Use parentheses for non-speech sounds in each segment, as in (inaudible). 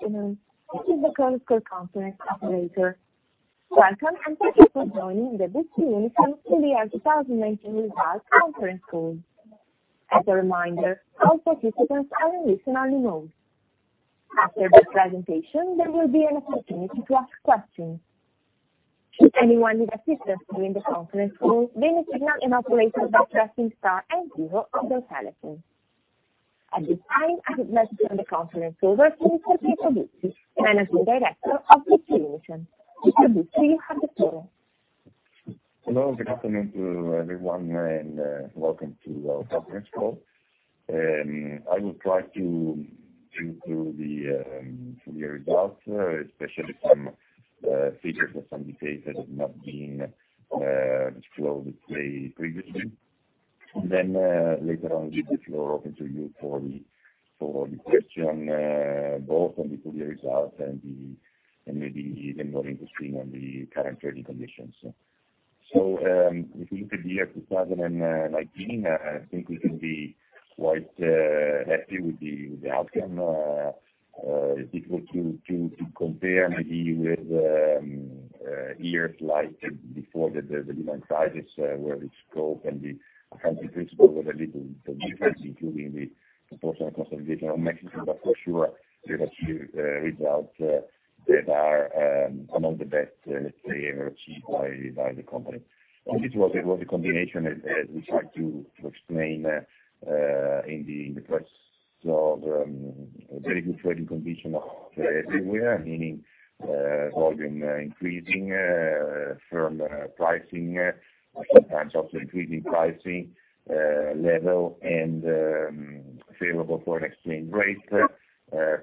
Good afternoon. This is the conference operator. Welcome, and thank you for joining the Buzzi Unicem Full Year 2019 Results Conference Call. As a reminder, all participants are in listen-only mode. After the presentation, there will be an opportunity to ask questions. If anyone needs assistance during the conference call, they may signal an operator by pressing star and zero on their telephone. At this time, I have a message from the conference server. This is Pietro Buzzi, managing director of Buzzi Unicem. Mr. Buzzi, you have the floor. Hello, good afternoon to everyone, and welcome to our conference call. I will try to go through the full year results, especially some figures or some details that have not been disclosed previously. Later on, leave the floor open to you for the question, both on the full year results and maybe even more interesting on the current trading conditions. If you look at the year 2019, I think we can be quite happy with the outcome. If it were to compare maybe with years like- before the Lehman crisis, where the scope and the accounting principle was a little different, including the proportional consolidation of Mexico, for sure, we have achieved results that are among the best ever achieved by the company. It was a combination, as we tried to explain in the press. Very good trading condition everywhere- meaning volume increasing, firm pricing, sometimes also increasing pricing level and favorable foreign exchange rate.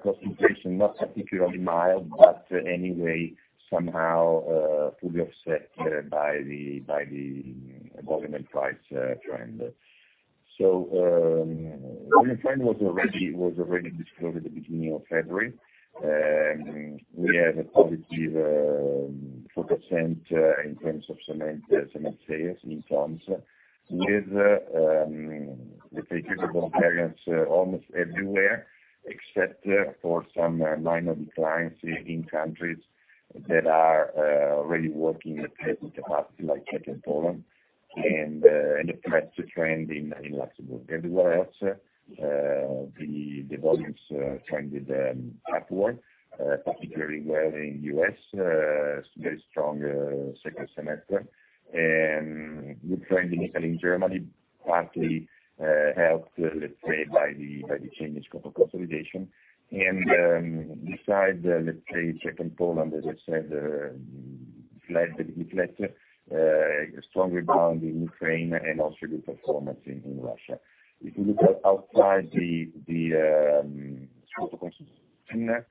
Competition, not particularly mild, but anyway, somehow, fully offset by the volume and price trend. The trend was already disclosed at the beginning of February. We have a positive 4% in terms of cement sales in tons, with the favorable variance almost everywhere, except for some minor declines in countries that are already working at peak capacity, like Czech and Poland, and a flat trend in Luxembourg. Everywhere else, the volumes trended upward, particularly well in the U.S., very strong second semester. Good trend in Italy and Germany, partly helped, let's say, by the change scope of consolidation. Besides, let's say, Czech and Poland, as I said, flat to slightly stronger bound in Ukraine and also good performance in Russia. Outside the scope of consolidation,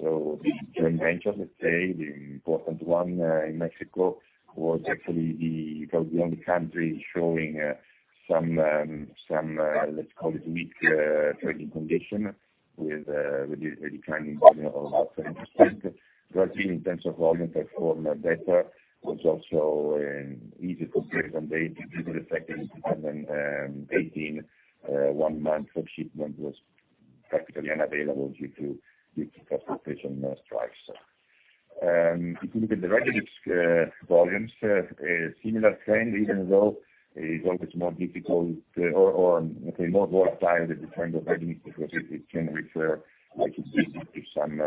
so the joint ventures, let's say, the important one in Mexico, was actually the only country showing some- let's call it weak, trading condition with a declining volume of about 10%. Brazil, in terms of volume, performed better, was also an easy comparison base due to the fact that in 2018, one month of shipment was practically unavailable due to cost operation strikes. The ready-mix volumes- a similar trend, even though it is always more difficult or more volatile, the trend of ready-mix, because it can refer to some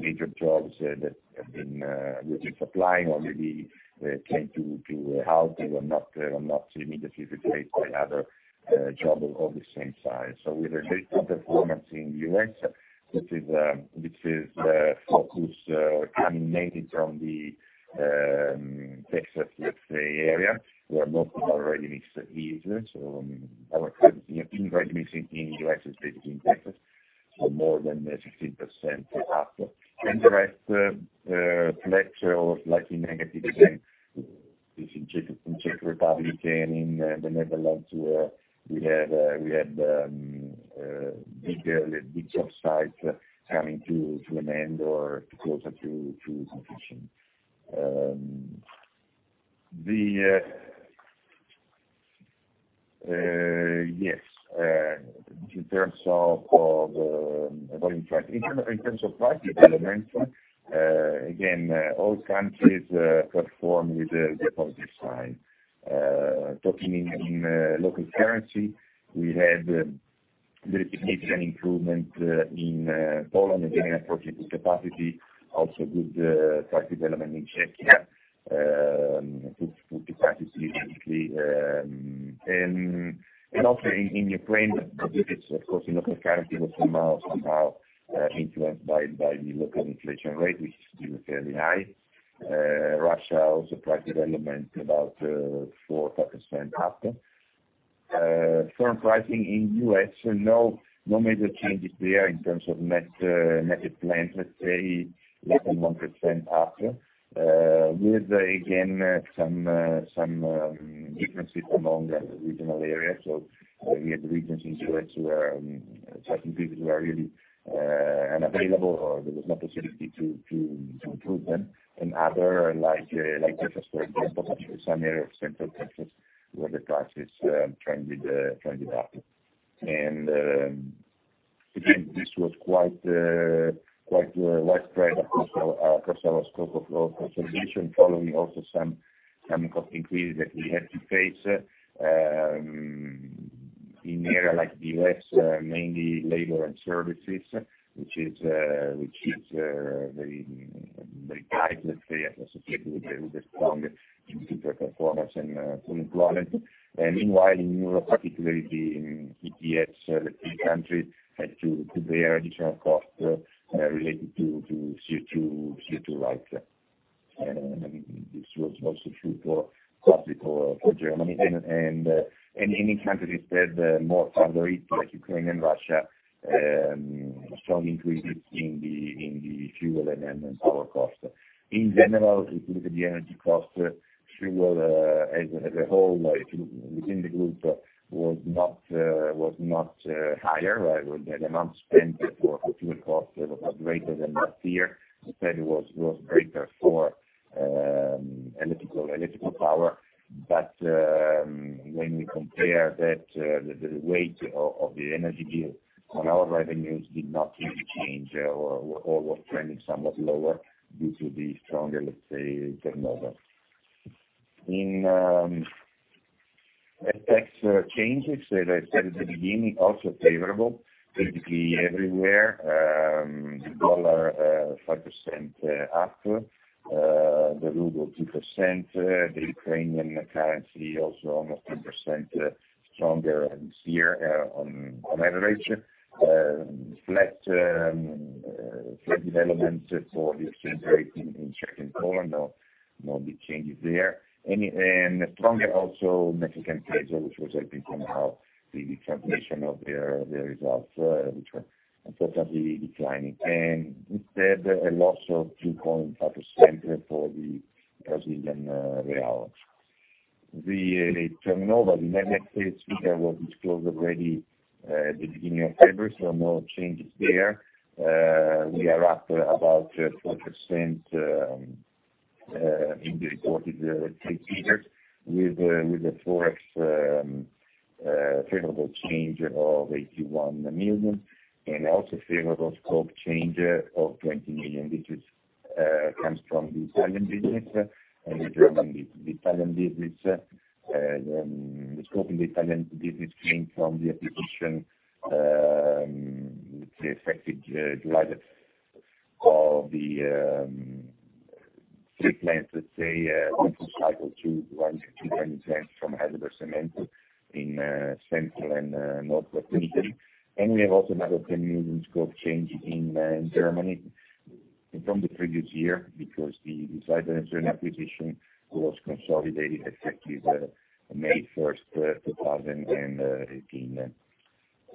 major jobs that have been which is applying or maybe tend to halt or not immediately replaced by other job of the same size. With a good performance in the U.S., which is the focus emanating from the Texas, let's say, area, where most of our ready-mix is. Our ready-mix in U.S. is based in Texas, so more than 16% up. In the rest, flat or slightly negative trend is in Czech Republic and in the Netherlands, where we had big job sites coming to an end or closer to completion. Yes. In terms of volume trend- in terms of price development, again, all countries perform with a positive sign. Talking in local currency, we had little significant improvement in Poland, again, approaching full capacity. Also good price development in Czechia. Good prices in Italy, also in Ukraine, but it is, of course, in local currency, but somehow influenced by the local inflation rate, which is still fairly high. Russia also price development about 4% up. Firm pricing in the U.S., no major changes there in terms of net, net plans, let's say less than 1% up. With, again, some differences among the regional areas. We have regions in U.S. where certain people were really unavailable, or there was no possibility to improve them. In other like Texas, for example, some area of central Texas where the price is trending up. Again, this was quite widespread across our scope of consolidation, following also some cost increases that we had to face, in areas like the U.S., mainly labor and services, which is very tightly associated with the strong consumer performance and full employment. Meanwhile, in Europe, particularly in ETS, the three countries had to bear additional costs related to CO2 rights. This was also true for Germany. Many countries had more favorable, like Ukraine and Russia, strong increases in the fuel and power cost. In general, if you look at the energy cost, fuel as a whole within the group was not higher. The amount spent for fuel costs was greater than last year. Anyways, it was greater for electrical power. When we compare the weight of the energy bill on our revenues did not really change or was trending somewhat lower due to the stronger, let's say, turnover. Tax changes, as I said at the beginning, also favorable, basically everywhere- the dollar 5% up, the ruble 2%, the Ukrainian currency also almost 3% stronger this year on average. Flat development for the exchange rate in Czech and Poland. No big changes there. Stronger also Mexican peso, which was helping somehow the translation of their results, which were substantially declining. Instead, a loss of 2.5% for the Brazilian real. The turnover, the net sales figure, was disclosed already at the beginning of February, so no changes there. We are up about 4% in the reported figures, with a ForEx favorable change of 81 million, and also favorable scope change of 20 million, which comes from the Italian business and the German business. The scope in the Italian business came from the acquisition, which was effective July of the three plants, let's say, infrastructure to run cement from HeidelbergCement in central and North of Italy. We have also another EUR 10 million scope change in Germany from the previous year because the Zillo Group acquisition was consolidated effective May 1st, 2018.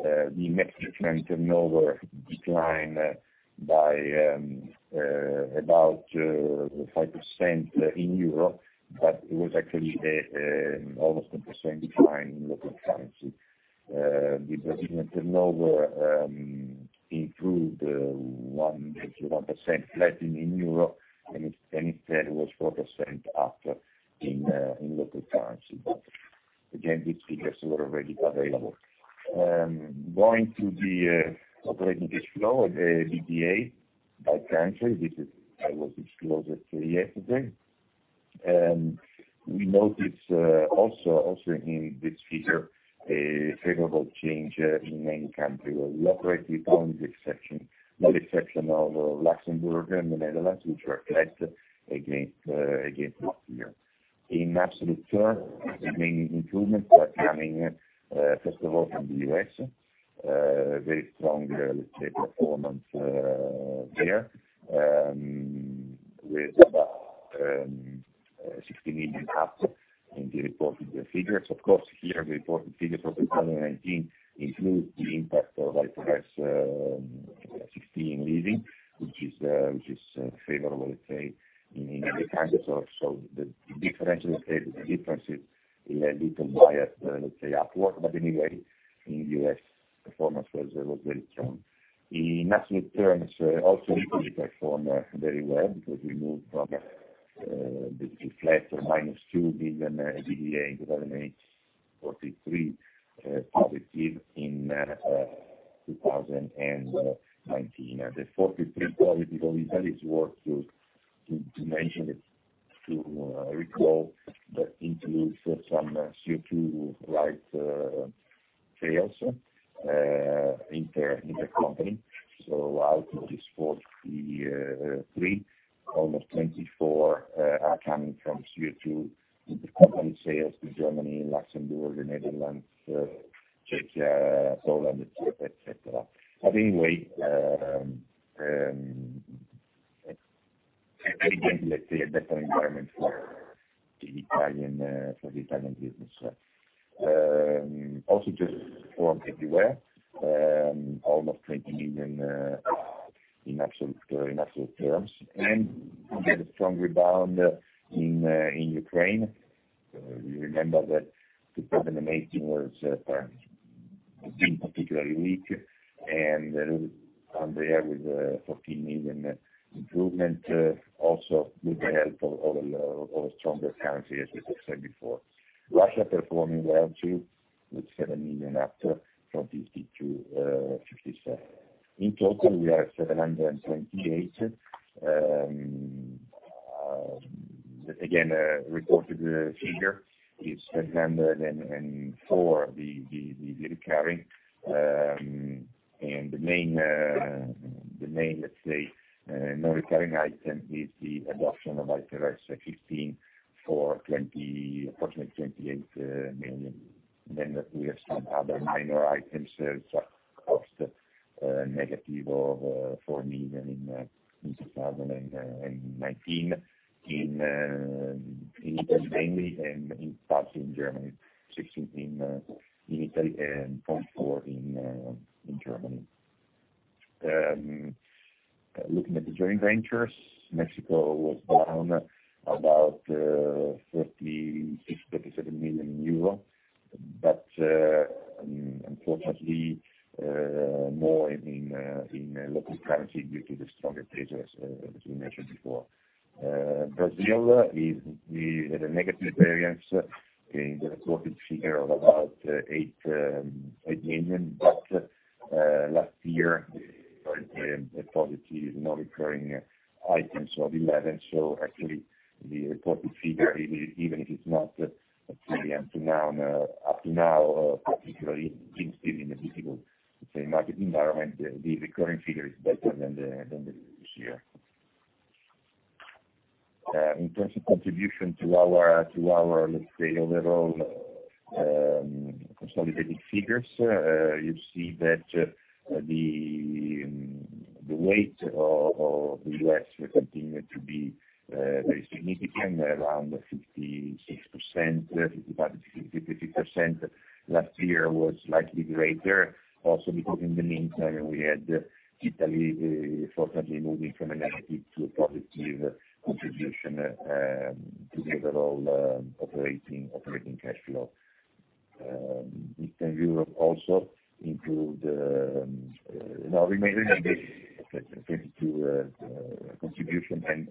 The net sales turnover declined by about 5% in EUR, but it was actually almost a 10% decline in local currency. The Brazilian turnover improved 1.1%, flat in EUR, instead was 4% up in local currency. Again, these figures were already available. Going to the operating cash flow, the EBITDA by country, this I will disclose yesterday. We notice also in this figure a favorable change in many countries with operating bonds, with the exception of Luxembourg and the Netherlands, which were flat against last year. In absolute terms, the main improvements are coming first of all from the U.S., very strong, let's say, performance there, with about $60 million up in the reported figures. Of course, here the reported figures of 2019 include the impact of IFRS 16 leasing, which is favorable, let's say, in many countries. The difference is a little biased, let's say, upward, anyway, in the U.S., performance was very strong. In absolute terms, also Italy performed very well because we moved from flat to -2 million EBITDA in 2018, +43 in 2019. The +43, only that is worth to mention it, to recall, that includes some CO2 right sales in the company. Out of this 43, almost 24 are coming from CO2 a positive non-recurring item of 11. Actually, the reported figure, even if it is not up to now, particularly being still in a difficult market environment, the recurring figure is better than this year. In terms of contribution to our, let's say, overall consolidated figures, you see that the weight of the U.S. will continue to be very significant, around 56%, 55%-56%. Last year was slightly greater, also because in the meantime, we had Italy fortunately moving from a negative to a positive contribution to the overall operating cash flow. Eastern Europe also improved. Remaining in this 2022 contribution,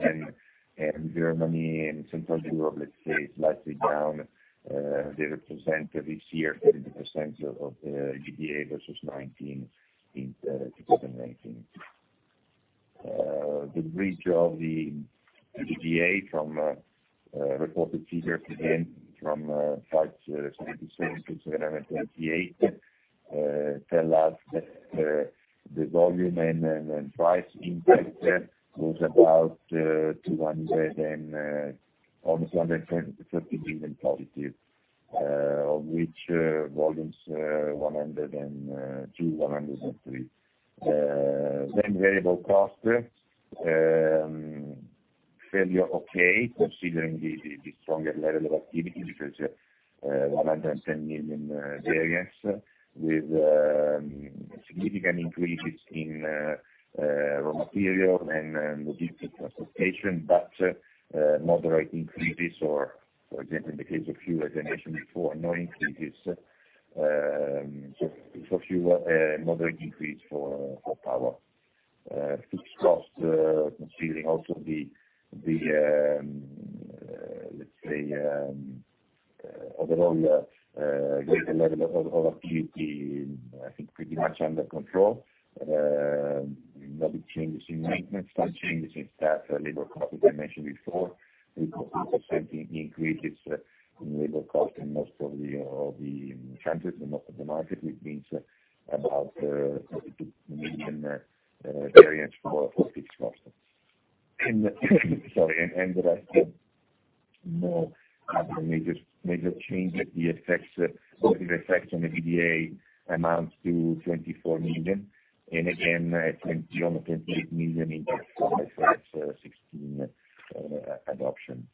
Germany and Central Europe, let's say, slightly down. They represent this year 30% of the EBITDA versus 19% in 2018. The bridge of the EBITDA from a reported figure, again, from 576 to 728, tell us that the volume and price impact was about almost 150 million positive, of which volumes to 102-103. Variable cost, fairly okay, considering the stronger level of activity, which is 110 million variance with significant increases in raw material and logistics transportation. Moderate increases or, for example, in the case of fuel, as I mentioned before, no increases. Fuel, a moderate increase for power. Fixed cost, considering also the, let's say, overall greater level of activity, I think pretty much under control. No big changes in maintenance. One change is that labor cost, as I mentioned before, we got 4% increases in labor cost in most of the countries, the market, which means about EUR 42 million variance for fixed cost. Sorry, the rest, no other major changes. The effects on the EBITDA amount to 24 million, and again, around 28 million in IFRS 16 adoption.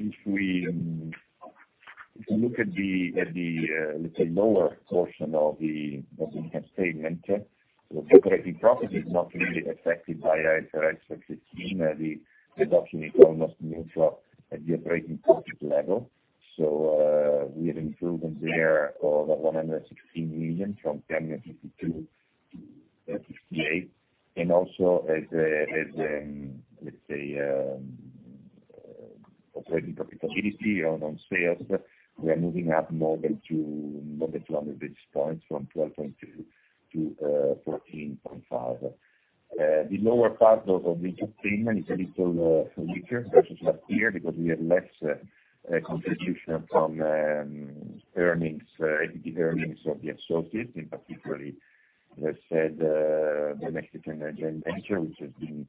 If we look at the lower portion of the income statement, the operating profit is not really affected by IFRS 15, the adoption is almost neutral at the operating profit level. We have improvement there of 116 million from 1,052 to 1,068. Also as, let's say, operating profitability on sales, we are moving up more than 200 basis points from 12.2% to 14.5%. The lower part of the income statement is a little weaker versus last year because we have less contribution from equity earnings of the associates, in particular, let's say, the Mexican joint venture, which has been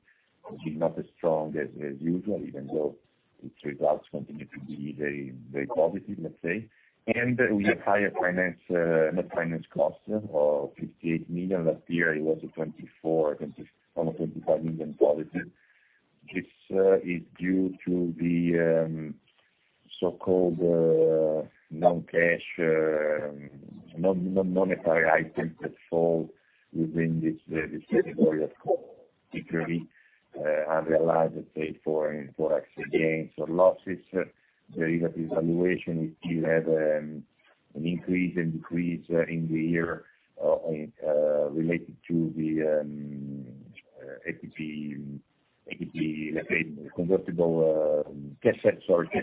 not as strong as usual, even though its results continue to be very positive, let's say. We have higher net finance cost of 58 million. Last year, it was around 24-25 million positive. This is due to the so-called non-cash, non-monetary items that fall within this category of decree unrealized, let's say, foreign forex gains or losses. There is a revaluation. We still have an increase and decrease in the year related to the equity, let's say, cash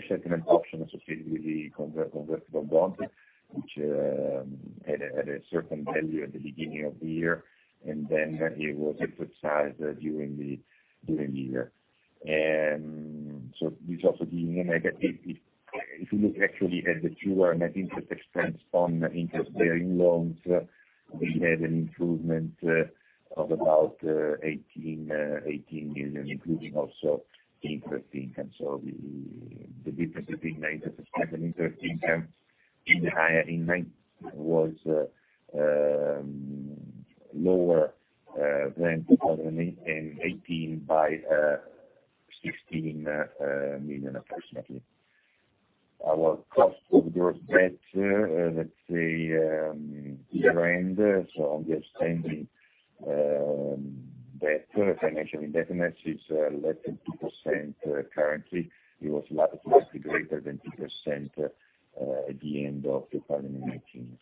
settlement options associated with the convertible bond, which had a certain value at the beginning of the year, and then it was exercised during the year. This also being negative. If you look actually at the pure net interest expense on interest-bearing loans, we had an improvement of about 18 million, including also the interest income. The difference between net interest expense and interest income in the year was lower than 2018 by 16 million, approximately. Our cost of gross debt, let's say, year end, so on the outstanding debt, financial indebtedness is less than 2% currently. It was slightly greater than 2% at the end of 2019.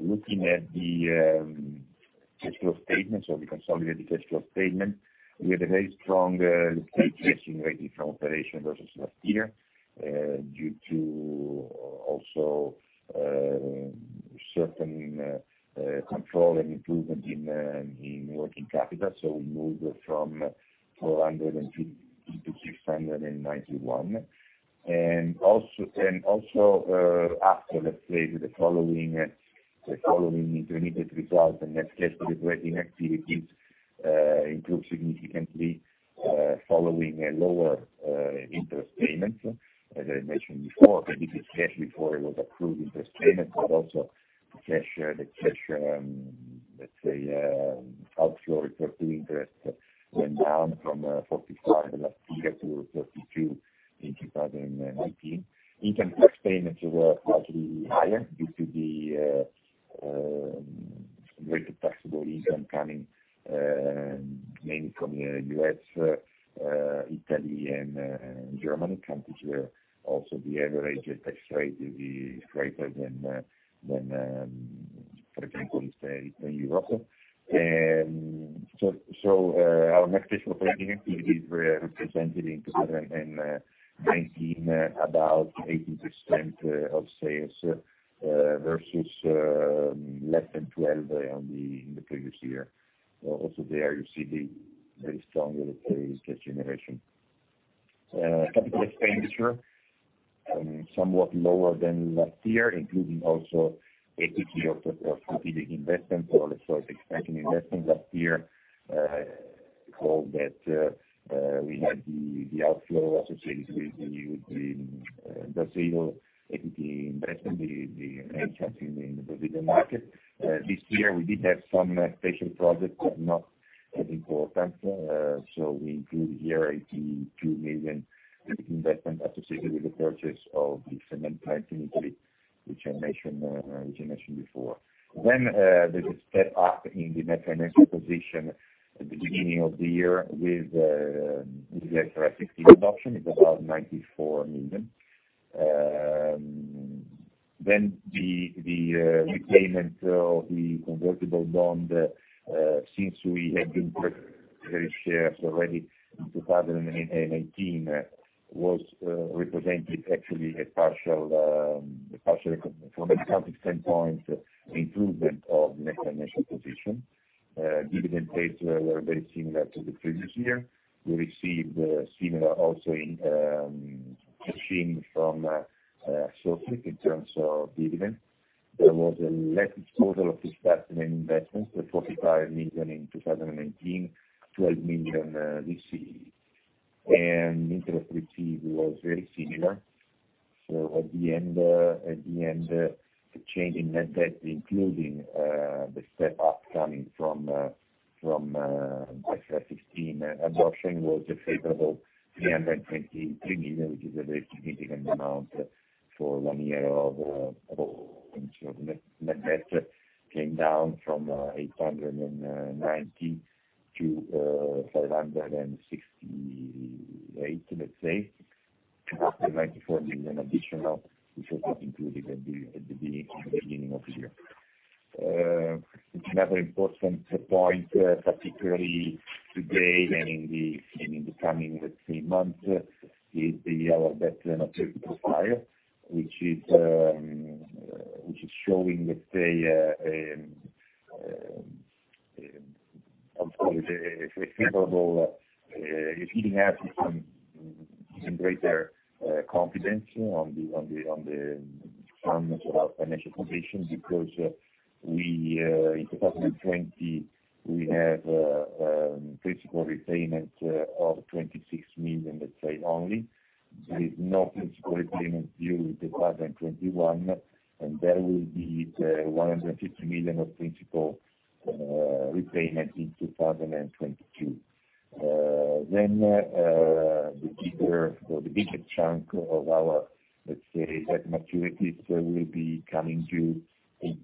Looking at the cash flow statement, the consolidated cash flow statement, we had a very strong operating cash flow from operation versus last year, due to also certain control and improvement in working capital. We moved from 402 to 691. Also, after, let's say, the following intermediate results, the net cash flow from operating activities improved significantly following a lower interest payment. As I mentioned before, the biggest cash outflow was accrued interest payment, but also the cash, let's say, outflow related to interest went down from 45 last year to 32 in 2019. Income tax payments were actually higher due to the greater taxable income coming mainly from the U.S., Italy, and Germany, countries where also the average tax rate is greater than, for example, let's say, in Europe. Our net cash flow from operating activities represented in 2019 about 80% of sales versus less than 12% on the previous year. Also there, you see the very strong operating cash generation. Capital expenditure- somewhat lower than last year, including also equity of competing investment. Expansion investment last year, because we had the outflow associated with the Brazil equity investment, the entry in the Brazilian market. This year, we did have some special projects, not as important. We include here 82 million in investment associated with the purchase of the cement plant in Italy, which I mentioned before. There's a step-up in the net financial position at the beginning of the year with the IFRS 15 adoption. It's about EUR 94 million. The repayment of the convertible bond, since we had been very scarce already in 2019, was represented actually a partial- from an accounting standpoint, improvement of net financial position. Dividend paid were very similar to the previous year. We received similar also in cash in from Sofric in terms of dividend. There was a net disposal of discontinued investments of 45 million in 2019, 12 million this year. Interest received was very similar. At the end, the change in net debt, including the step-up coming from IFRS 15 adoption, was a favorable 323 million, which is a very significant amount for one year of net debt, came down from 890 to 568, let's say. 294 million additional, which was included at the beginning of the year. Another important point, particularly today and in the coming, let's say, months, is our debt maturity profile, which is showing, let's say, It's giving us some greater confidence on the soundness of our financial condition, because in 2020, we have principal repayment of 26 million, let's say, only. There is no principal repayment due in 2021. There will be 150 million of principal repayment in 2022. The bigger chunk of our, let's say, debt maturities will be coming due in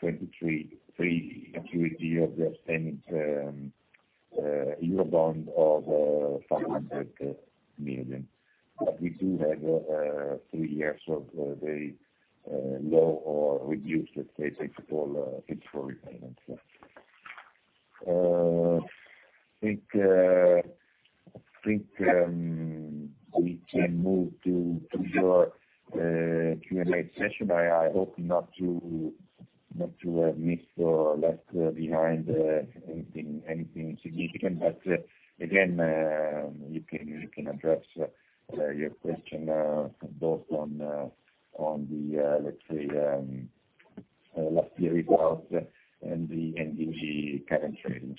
2023, three maturity of the outstanding Eurobond of 500 million. We do have three years of very low or reduced, let's say, fixed call repayments. I think we can move to your Q&A session. I hope not to have missed or left behind anything significant, again you can address your question both on the, let's say, last year results and the current trading.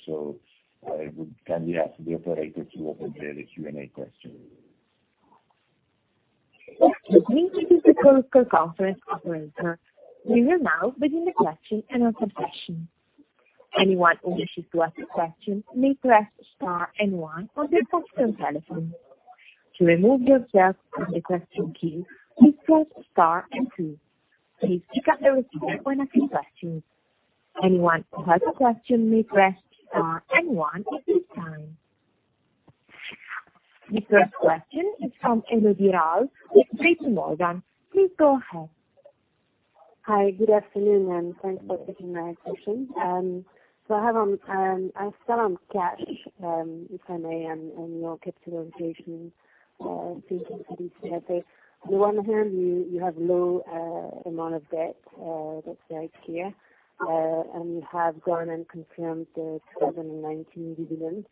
Can we ask the operator to open the Q&A question? This is the teleconference operator. We will now begin the question and answer session. Anyone who wishes to ask a question may press star and one on their phone telephone. To remove yourself from the question queue, please press star and two. Please pick up the receiver when asking questions. Anyone who has a question may press star and one at this time. The first question is from Elodie Rall with JPMorgan. Please go ahead. Hi, good afternoon, and thanks for taking my question. I start on cash, if I may, and your capitalization thinking for this year. On the one hand, you have low amount of debt, that's very clear. You have gone and confirmed the 2019 dividend.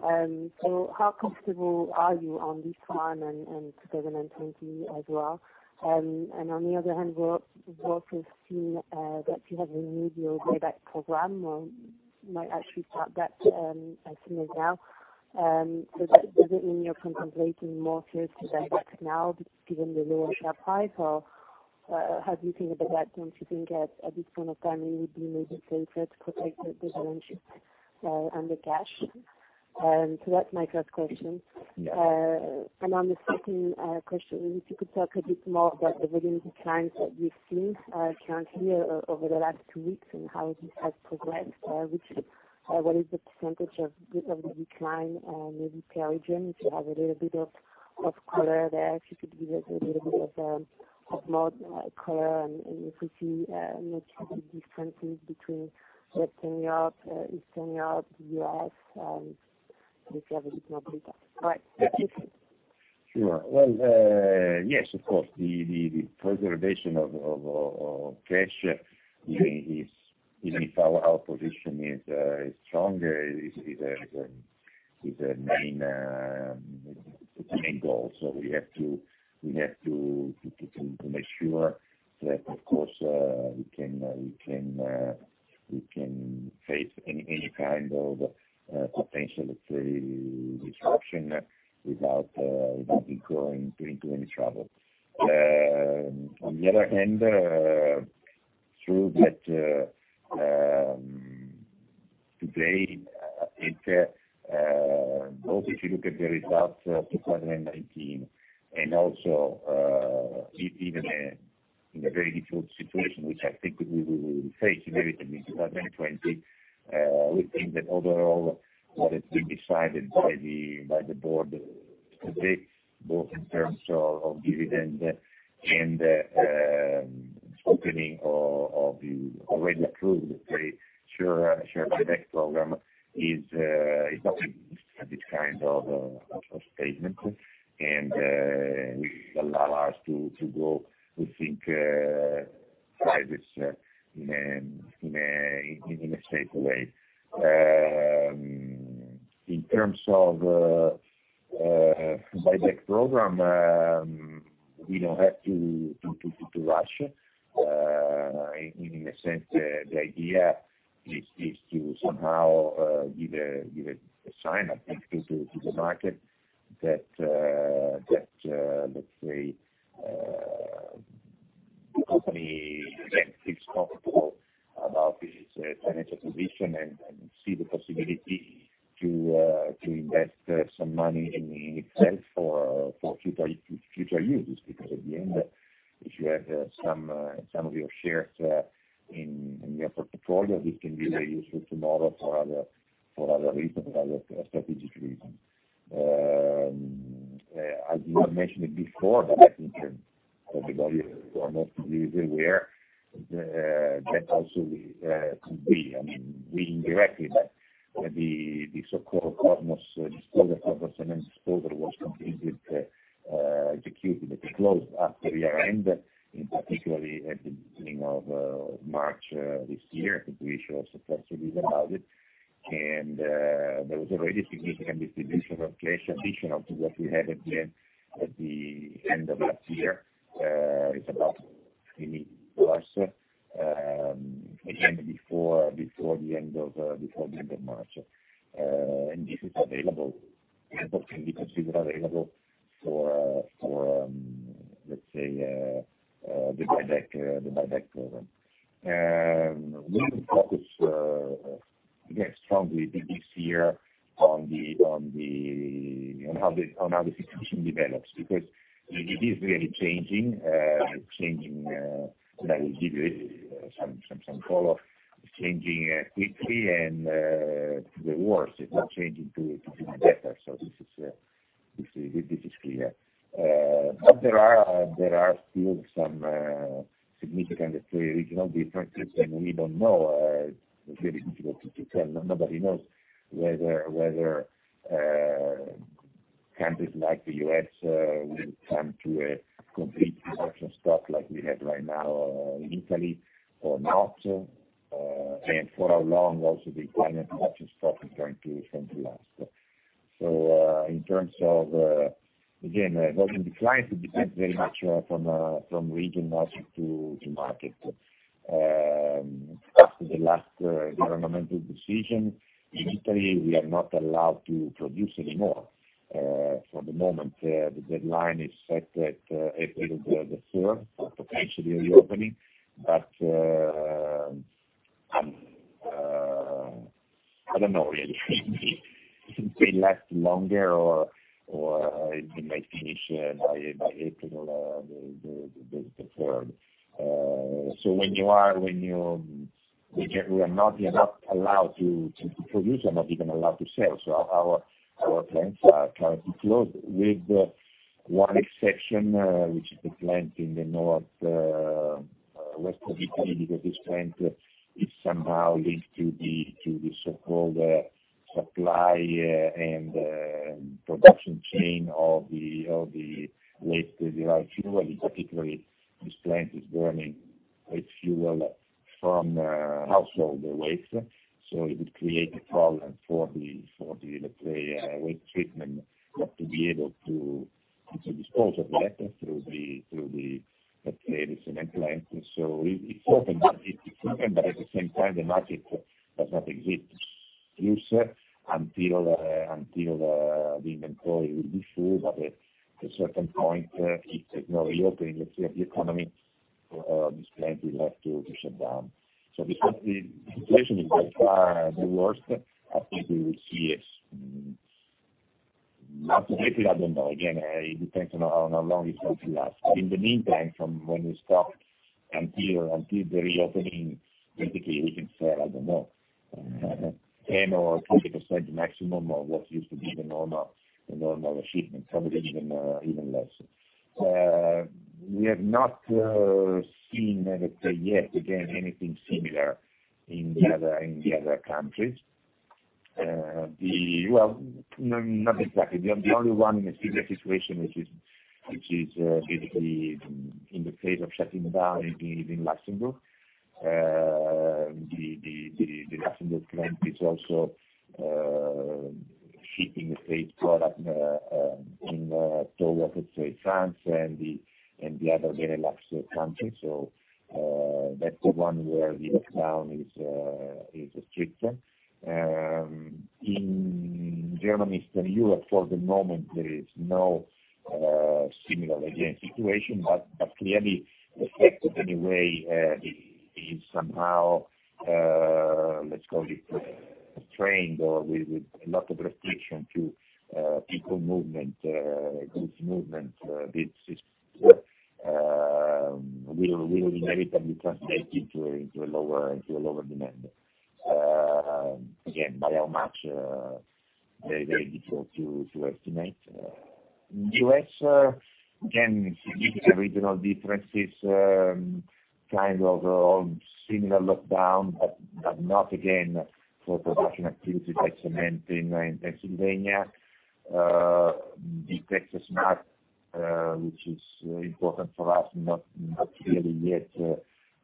How comfortable are you on this one and 2020 as well? On the other hand, we've also seen that you have renewed your buyback program, or might actually start that as soon as now. Does it mean you're contemplating more shares to buy back now, given the lower share price? How do you think at that point? Do you think at this point of time it would be maybe safer to protect the dividend and the cash? That's my first question. On the second question, if you could talk a bit more about the revenue declines that we've seen currently over the last two weeks and how this has progressed. What is the percentage of the decline, maybe per region, if you have a little bit of color there? If you could give us a little bit of more color and if we see notable differences between Western Europe, Eastern Europe, the U.S., and if you have a little bit more detail. All right, thank you. Sure. Well, yes, of course, the preservation of cash, even if our position is strong, is a main goal. We have to make sure that, of course, we can face any kind of potential disruption without going into any trouble. On the other hand, true that today, I think both if you look at the results of 2019 and also if even in a very difficult situation, which I think we will face very quickly in 2020, we think that overall what has been decided by the board today, both in terms of dividend and opening of the already approved share buyback program, is a good kind of statement. Will allow us to go, we think, private in a safe way. In terms of buyback program, we don't have to rush. In a sense, the idea is to somehow give a sign, I think, to the market that, let's say, the company again feels comfortable about its financial position and see the possibility to invest some money in itself for future uses. Because at the end, if you have some of your shares in your portfolio, this can be very useful tomorrow for other reasons, for other strategic reasons. I did not mention it before, but I think everybody is almost really aware that also we indirectly, the so-called Kosmos disposal, the Kosmos Cement disposal was completed, executed, closed after year-end, in particularly at the beginning of March this year. I think we issued also press release about it. There was already a significant distribution of cash additional to what we had at the end of last year. It's about +3, again, before the end of March. This is available and can be considered available for, let's say, the buyback program. We focus, again, strongly this year on how the situation develops, because it is really changing. I will give you some follow. It's changing quickly, and for the worse. It's not changing to be better. This is clear. There are still some significant regional differences, and we don't know. It's very difficult to tell. Nobody knows whether countries like the U.S. will come to a complete production stop, like we have right now in Italy, or not, and for how long also the China production stop is going to last. In terms of, again, volume declines, it depends very much from region also to market. After the last governmental decision in Italy, we are not allowed to produce anymore for the moment. The deadline is set at the 3rd for potentially reopening. I don't know, really. It may last longer, or it may finish by April the 3rd. We are not allowed to produce and not even allowed to sell. Our plants are currently closed, with one exception, which is the plant in the northwest of Italy, because this plant is somehow linked to the so-called supply and production chain of the waste-derived fuel. Particularly, this plant is burning waste fuel from household waste. It would create a problem for the waste treatment not to be able to dispose of waste through the cement plant. It's open, but at the same time, the market does not exist. Until the inventory will be full. At a certain point, if there's no reopening of the economy, this plant will have to shut down. The situation is by far the worst. I think we will see it. Not exactly. I don't know. Again, it depends on how long it's going to last. In the meantime, from when we stop until the reopening, basically, we can sell, I don't know, 10% or 20% maximum of what used to be the normal shipment. Probably even less. We have not seen, let's say, yet, again, anything similar in the other countries. Not exactly. The only one in a similar situation, which is basically in the phase of shutting down, is in Luxembourg. The Luxembourg plant is also shipping freight product in towards, let's say, France and the other Benelux countries. That's the one where the lockdown is stricter. In Germany and Eastern Europe, for the moment, there is no similar, again, situation. Clearly, the effect, anyway, is somehow, let's call it, restrained or with a lot of restriction to people movement, goods movement. This will inevitably translate into a lower demand. Again, by how much? Very difficult to estimate. U.S., again, significant regional differences. Kind of similar lockdown, but not, again, for production activities like cement in Pennsylvania. The Texas market, which is important for us, not clearly yet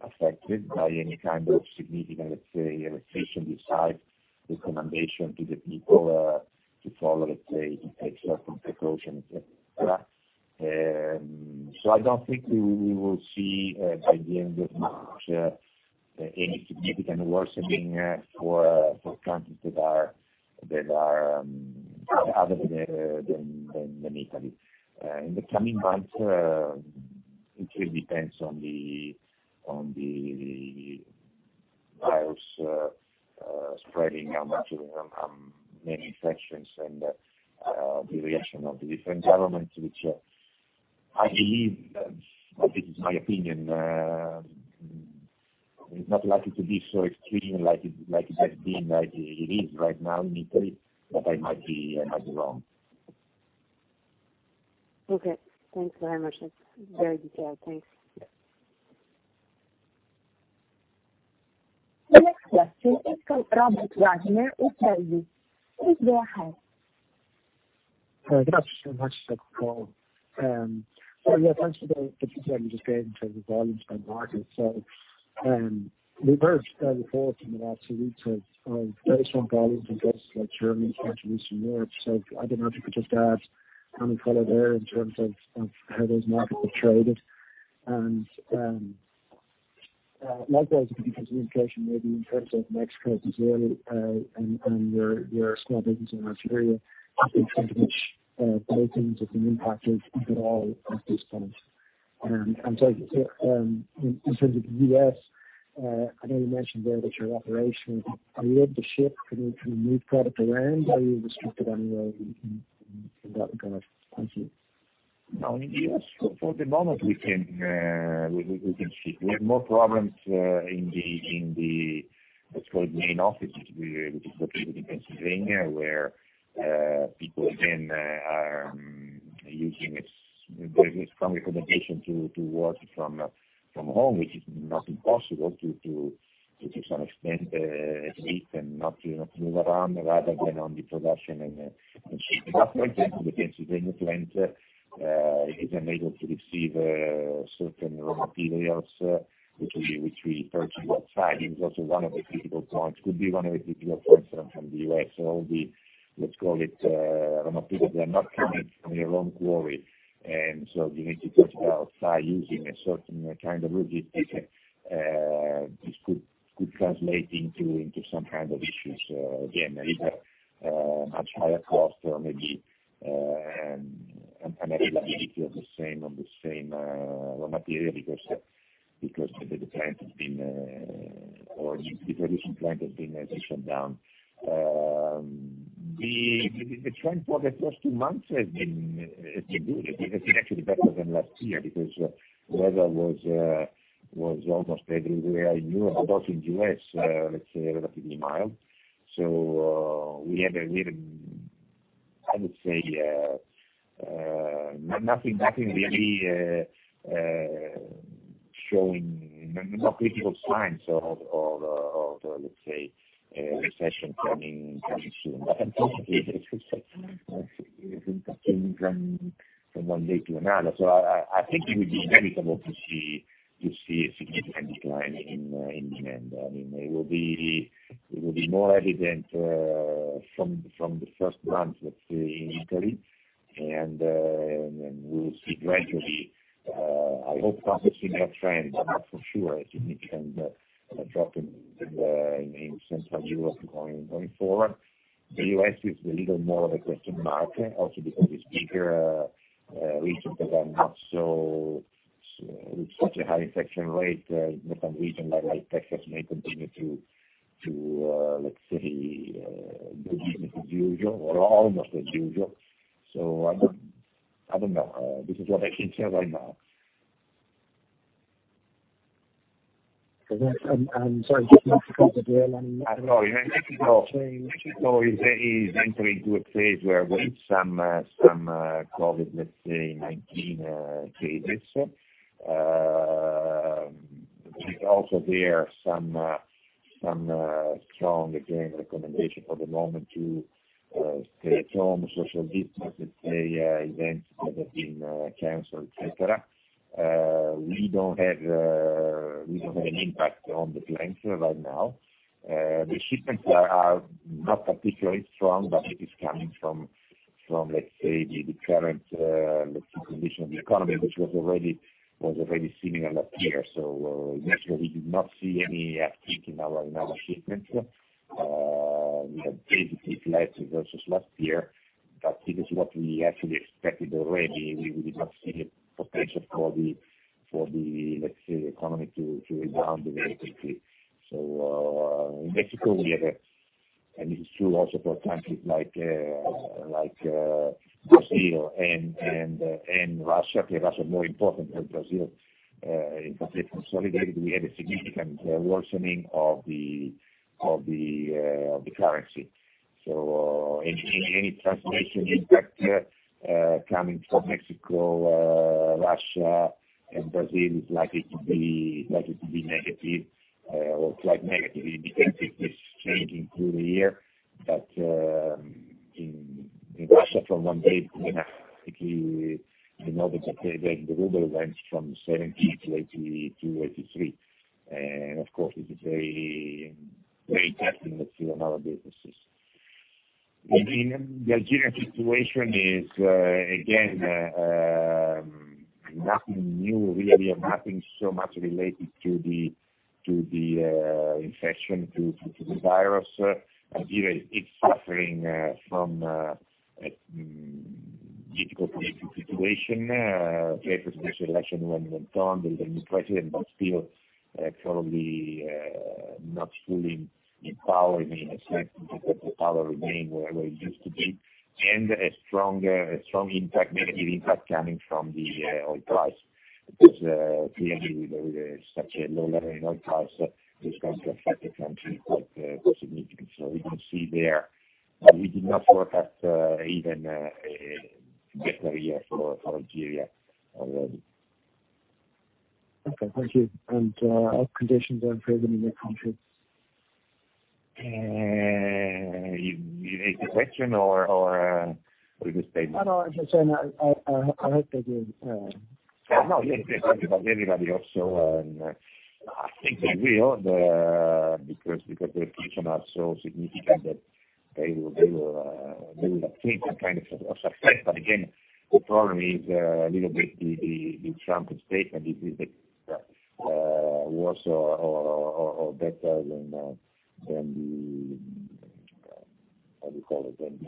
affected by any kind of significant, let's say, restriction besides recommendation to the people to follow, let's say, extra precautions, et cetera. I don't think we will see, by the end of March, any significant worsening for countries that are other than Italy. In the coming months, it really depends on the virus spreading, how much, how many infections, and the reaction of the different governments, which I believe, but this is my opinion, is not likely to be so extreme like it has been, like it is right now in Italy. I might be wrong. Okay. Thanks very much. That's very detailed. Thanks. The next question is from [Robert Wagner] of. (audio distortion) Please go ahead. Thank you so much for the call. Yeah, thanks for the detail you just gave in terms of volumes by market. We've heard reports in the last two weeks of very strong volumes in places like Germany and to Eastern Europe. I don't know if you could just add any color there in terms of how those markets have traded. And likewise, if you can give us an indication maybe in terms of Mexico, Brazil, and your small business in Algeria, to which both of them have been impacted at all at this point. In terms of the U.S., I know you mentioned there that you're operational. Are you able to ship new product around? Are you restricted anywhere in that regard? Thank you. In the U.S., for the moment, we can ship. We have more problems in the, let's call it, main offices, which is located in Pennsylvania, where people again are using a strong recommendation to work from home, which is not impossible to some extent, at least, and not move around rather than on the production and the shipping. For example, the Pennsylvania plant is unable to receive certain raw materials, which we purchase outside. It is also one of the critical points. Could be one of the critical points from the U.S. the, let's call it, raw materials, they're not coming from your own quarry. You need to purchase outside using a certain kind of logistics. This could translate into some kind of issues. Again, either much higher cost or maybe unavailability of the same raw material because the production plant has been shut down. The trend for the first two months has been good. It has been actually better than last year because weather was almost everywhere in Europe, but also in U.S., let's say, relatively mild. We have a little, I would say, nothing really no critical signs of, let's say, a recession coming soon. Of course, it is impacting from one day to another. I think it will be inevitable to see a significant decline in demand. It will be more evident from the first months, let's say, in Italy, and we will see gradually, I hope, a similar trend. Not for sure, a significant drop in Central Europe going forward. The U.S. is a little more of a question mark, also because it's bigger regions that are not so-- With such a high infection rate, different region like Texas may continue to, let's say, business as usual or almost as usual. I don't know. This is what I can say right now. Sorry, just Mexico as well... Mexico is entering into a phase where we have some COVID-19 cases. There is also some strong, again, recommendation for the moment to stay at home, social distance. Let's say, events have been canceled, et cetera. We don't have an impact on the plants right now. The shipments are not particularly strong, but it is coming from, let's say, the current condition of the economy, which was already seen last year. Naturally, we did not see any uptick in our shipments. We have basically flat versus last year, but it is what we actually expected already. We did not see the potential for the economy to rebound very quickly. In Mexico, and this is true also for countries like Brazil and Russia. Russia more important than Brazil. In Brazil consolidated, we had a significant worsening of the currency. Any translation impact coming from Mexico, Russia, and Brazil is likely to be negative or quite negative. It can change through the year. In Russia from one day to the next, you know the ruble went from 70 to 82, 83. Of course, it is very testing, let's say, on our businesses. The Algerian situation is, again, nothing new really, and nothing so much related to the infection, to the virus. Algeria, it's suffering from a difficult political situation. President's election went on with a new president, but still probably not fully in power. I mean, the power remained where it used to be. A strong negative impact coming from the oil price. Clearly, with such a low level in oil price, this comes to affect the country quite significantly. We did not forecast even a better year for Algeria already. Okay, thank you. All conditions are improving in your country? You mean as a question or as a statement? No, I'm just saying I hope they do. No, yes, everybody I think they will. Because the potential are so significant that they will attain some kind of success. Again, the problem is a little bit the Trump statement. It is worse or better than the, how do you call it, than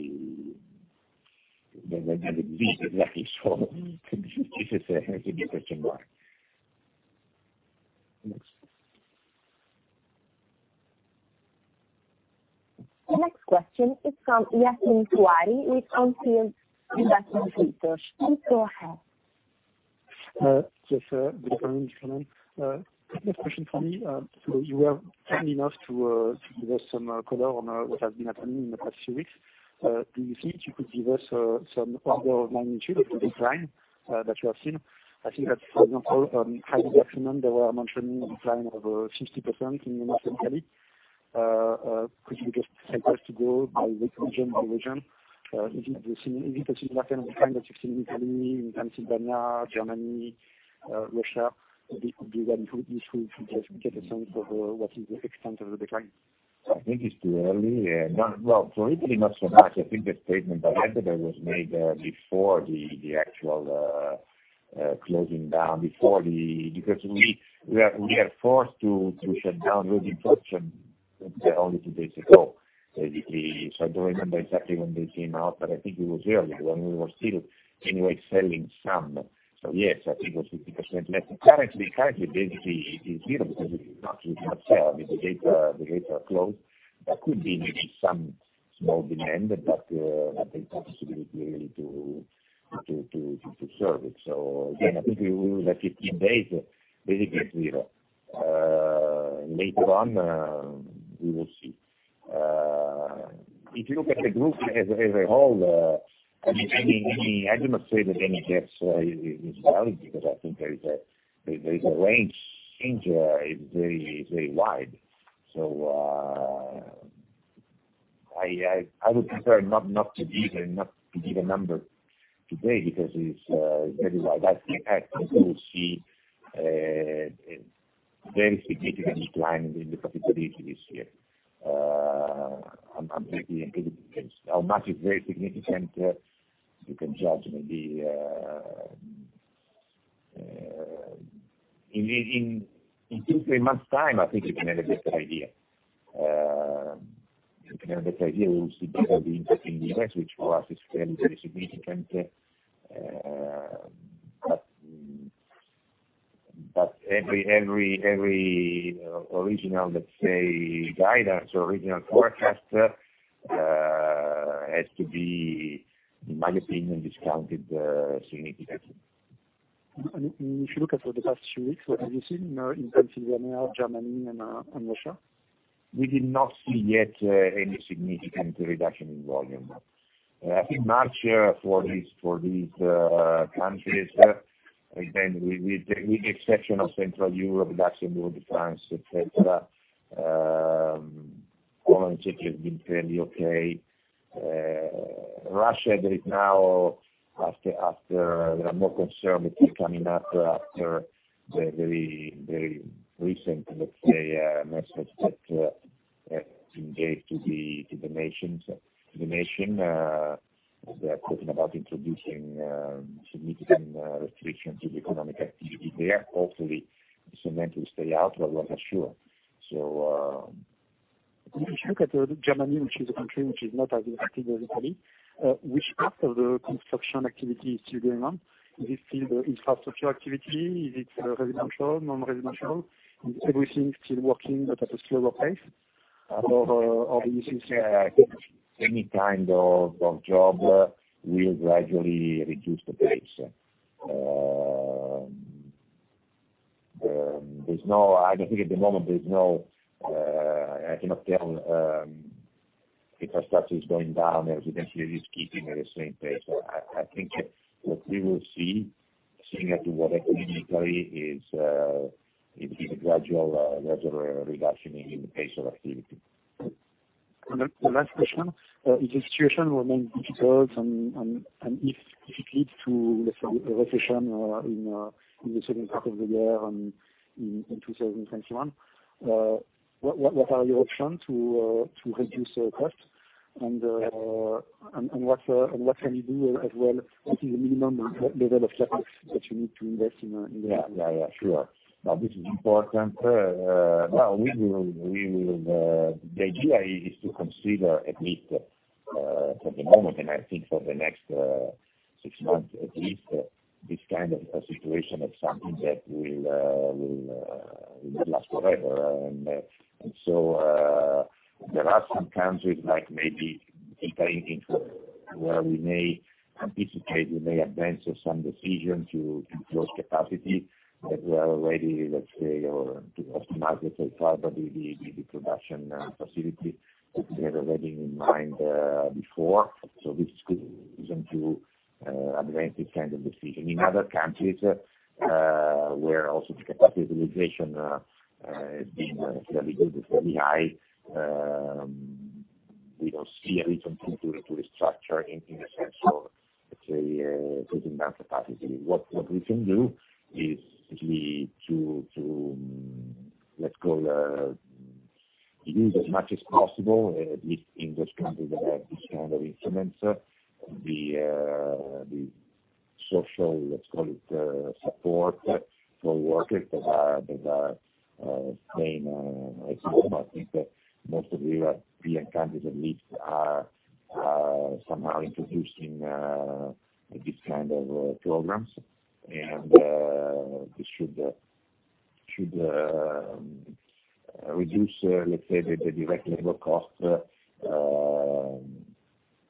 the business luck is for? This is a question mark. Next. The next question is from Yassine Touahri with On Field Investment Research. Please go ahead. Yes, good morning, everyone. Next question from me. You were kind enough to give us some color on what has been happening in the past few weeks. Do you think you could give us some order of magnitude of the decline that you have seen? I think that, for example, on HeidelbergCement, they were mentioning decline of 60% in western Italy. Could you just take us to go by region? Is it a similar kind that you've seen in Italy, in Pennsylvania, Germany, Russia? It would be useful to just get a sense of what is the extent of the decline. I think it's too early. Well, for Italy, not so much. I think the statement by HeidelbergCement was made before the actual closing down. We are forced to shut down with the production only two days ago, basically. I don't remember exactly when they came out, but I think it was earlier when we were still anyway selling some. Yes, I think it was 50% less. Currently, basically it's zero because it's not served. The gates are closed. There could be maybe some small demand, but nothing comes really to serve it. Again, I think we will have 15 days, basically it's zero. Later on, we will see. If you look at the group as a whole, I cannot say that any guess is valid, because I think there is a range. The range is very wide. I would prefer not to give a number today, because it is very wide. I think we will see a very significant decline in the profitability this year. I am pretty convinced. How much is very significant, you can judge maybe- in two, three months' time, I think you can have a better idea. We will see better the impact in the U.S., which for us is fairly very significant. Every original, let's say, guidance or original forecast, has to be, in my opinion, discounted significantly. If you look at the past few weeks, what have you seen in Pennsylvania, Germany, and Russia? We did not see yet any significant reduction in volume. I think much for these countries- again, with the exception of Central Europe, actually North France, et cetera, volume actually has been fairly okay. Russia, there is now, after there are more concern coming up after the very recent, let's say, message that Putin gave to the nation. They are talking about introducing significant restrictions to the economic activity there. Hopefully, cement will stay out, but we are not sure. If you look at Germany, which is a country which is not as impacted as Italy, which part of the construction activity is still going on? Is it still the infrastructure activity? Is it residential, non-residential? Is everything still working, but at a slower pace? Any kind of job will gradually reduce the pace. I don't think at the moment I cannot tell infrastructure is going down, residentially is keeping at the same pace. I think what we will see after what happened in Italy, it will be a gradual reduction in the pace of activity. The last question: If the situation remains difficult and if it leads to, let's say, a recession in the second part of the year in 2021, what are your options to reduce costs? What can you do as well? What is the minimum level of CapEx that you need to invest in the future? Yeah, sure. This is important. The idea is to consider, at least for the moment, and I think for the next six months, at least, this kind of a situation as something that will last forever. There are some countries like maybe Italy and France, where we may anticipate, we may advance some decision to close capacity that we are already, let's say, or to optimize, let's say, part of the production facility that we had already in mind before. This could be a reason to advance this kind of decision. In other countries, where also the capacity utilization has been fairly good, it's fairly high. We don't see a reason to restructure in a sense of, let's say, putting down capacity. What we can do is essentially to, let's say, use as much as possible, at least in those countries that have this kind of instruments, the social support for workers that are staying at home. I think that most of the European countries at least are somehow introducing these kinds of programs. This should reduce, let's say, the direct labor cost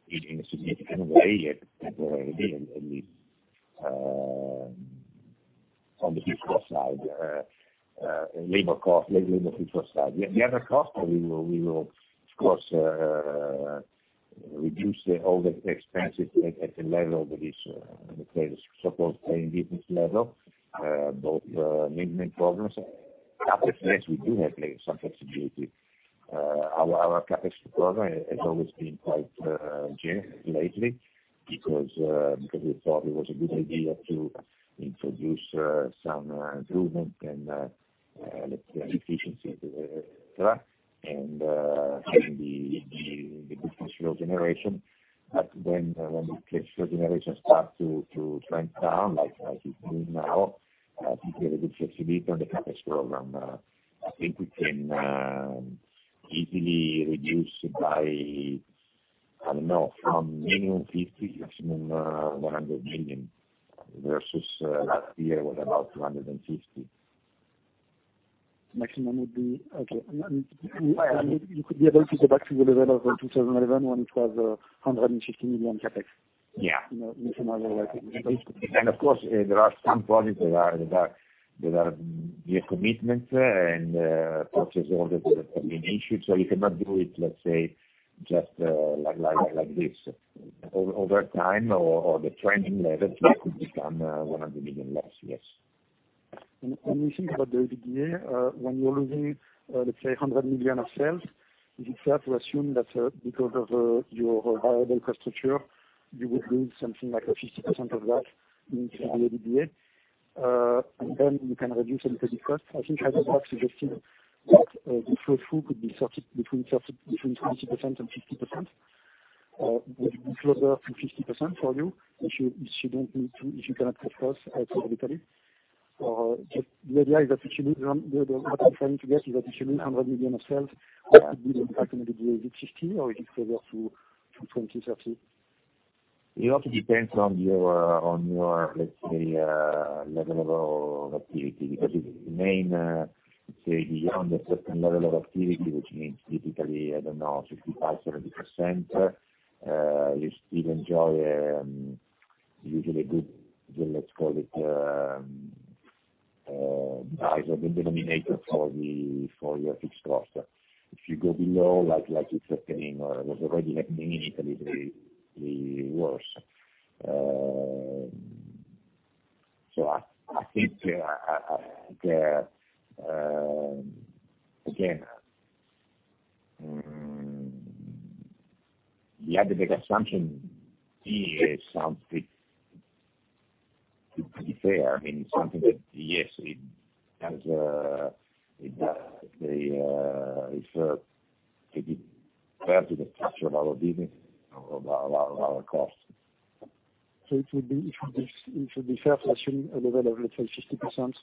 in a significant way temporarily, at least on the fixed cost side, labor cost, labor fixed cost side. The other cost, we will of course, reduce all the expenses at a level that is, let's say, the so-called break-even level, both maintenance programs. CapEx, yes, we do have some flexibility. Our CapEx program has always been quite generous lately because we thought it was a good idea to introduce some improvement and efficiency, et cetera, and the business flow generation. When the cash flow generation start to trend down, like it's doing now, I think we have a good flexibility on the CapEx program. I think we can easily reduce by, I don't know, from minimum 50 million, maximum 100 million, versus last year was about 250 million. Maximum would be Okay. You could be able to go back to the level of 2011 when it was 150 million CapEx? Yeah. Maximum level. Of course, there are some projects that are commitments and purchase orders that have been issued. You cannot do it, let's say, just like this. Over time or the trending level, it could become 100 million less, yes. When you think about the EBITDA, when you’re losing, let’s say, 100 million of sales, is it fair to assume that because of your variable cost structure, you would lose something like 50% of that in EBITDA? Then you can reduce a little bit cost. I think Heidelberg suggested that the flow-through could be between 20% and 50%, or would it be closer to 50% for you, if you cannot cut cost totally? Just the idea is that What I’m trying to get is that if you lose 100 million of sales, what could be the impact on EBITDA? Is it 50% or is it closer to 20%, 30%? It also depends on your level of activity, because it may, let's say, beyond a certain level of activity, which means typically, I don't know, 65%, 70%, you still enjoy usually good, let's call it, size of the denominator for your fixed cost. If you go below, like it's happening or was already happening in Italy, it will be worse. I think, again, you have to make assumption is something to be fair. Something that, yes, it has to be fair to the structure of our business, of our costs. It would be fair to assume a level of, let's say, 50%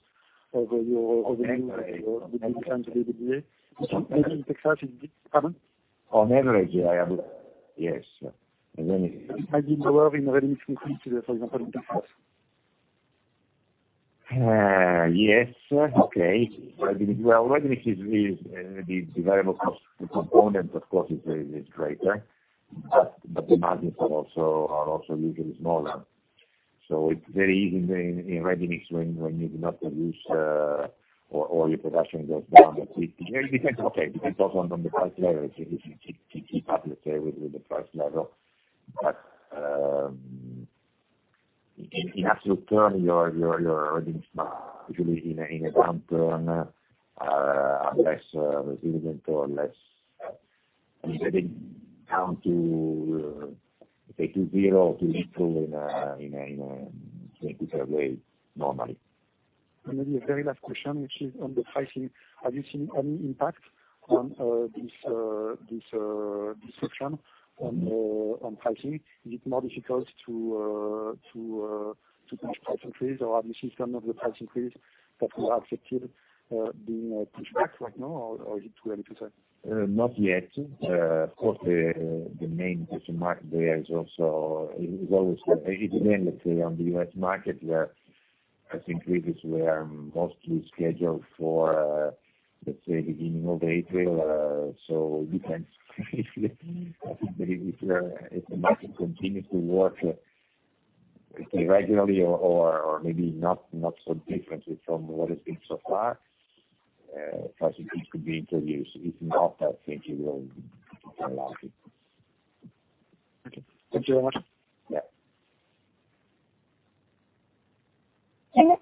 of your... On average. ...EBITDA. Maybe in Texas, pardon? On average, yes. It might be lower in ready-mix concrete, for example, in Texas. Yes. Okay. Well, Ready Mix is the variable cost component, of course, is greater, but the margins are also usually smaller. It's very easy in Ready Mix when you do not produce or your production goes down. It depends. Okay. It depends on the price level. If you keep up, let’s say, with the price level. In absolute term, your earnings, usually in a downturn, are less resilient or They count to zero to improve in a quicker way, normally. Maybe a very last question, which is on the pricing. Have you seen any impact on this disruption on pricing? Is it more difficult to push price increase, or have you seen some of the price increase that you have secured being pushed back right now, or is it too early to say? Not yet. Of course, the main question mark there is also, it depends on the U.S. market where price increases were mostly scheduled for, let's say, beginning of April. It depends if the market continues to work regularly or maybe not so differently from what it's been so far. Price increase could be introduced. If not, I think it will be allowed. Okay. Thank you very much. Yeah.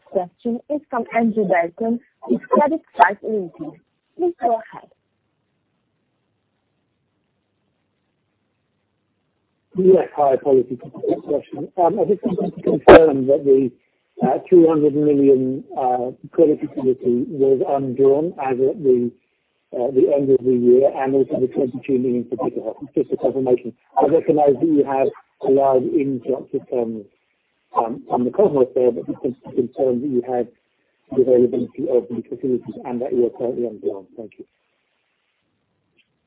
Question is from Andrew Belton with CreditSights. Please go ahead. Yes. Hi. Sorry. Just one question. I just wanted to confirm that the 300 million credit facility was undrawn as at the end of the year, and also the 22 million for. (audio distortion) Just a confirmation. I recognize that you have allowed in terms of from the corporate side, but just concerned that you have the availability of the facilities and that you are currently undrawn. Thank you.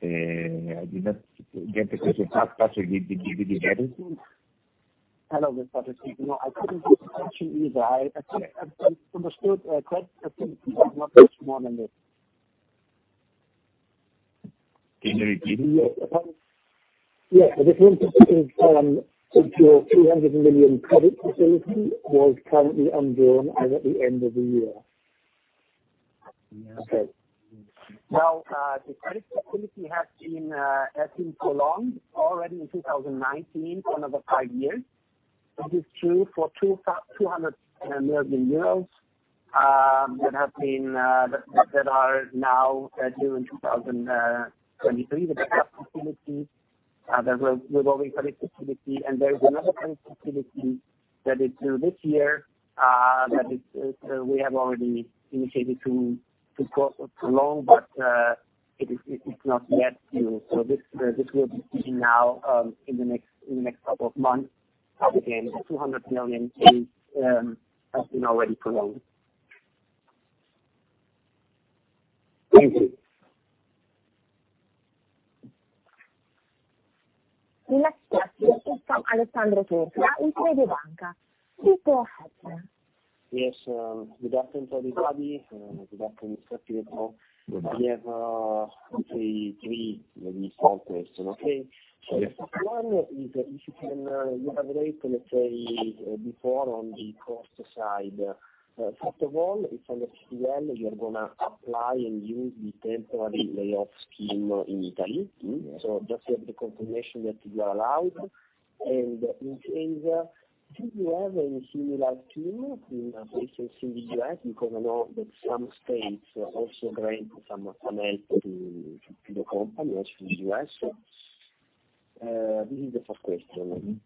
I did not get the question. Patrick, did you get it? Hello, this is Patrick. I couldn't get the question either. I understood a credit facility, not much more than this. Can you repeat? Yes. I just wanted to confirm if your 300 million credit facility was currently undrawn as at the end of the year. Okay. Well, the credit facility has been prolonged already in 2019 for another five years. It is true for 200 million euros that are now due in 2023 with the credit facility. There is another credit facility that is due this year, that we have already indicated to prolong, but it is not yet due. This will be due now, in the next couple of months. Again, the 200 million has been already prolonged. Thank you. Next question is from Alessandro Tortora with Mediobanca. Please go ahead. Yes, good afternoon, everybody. Good afternoon, Pietro. Good afternoon. I have three very short questions, okay? The first one is if you can reiterate, let's say, before on the cost side. First of all, if under FIS, you're going to apply and use the temporary layoff scheme in Italy. Just to have the confirmation that you are allowed. In case, do you have any similar scheme in place in the U.S.? Because I know that some states also grant some help to the company also in the U.S. This is the first question.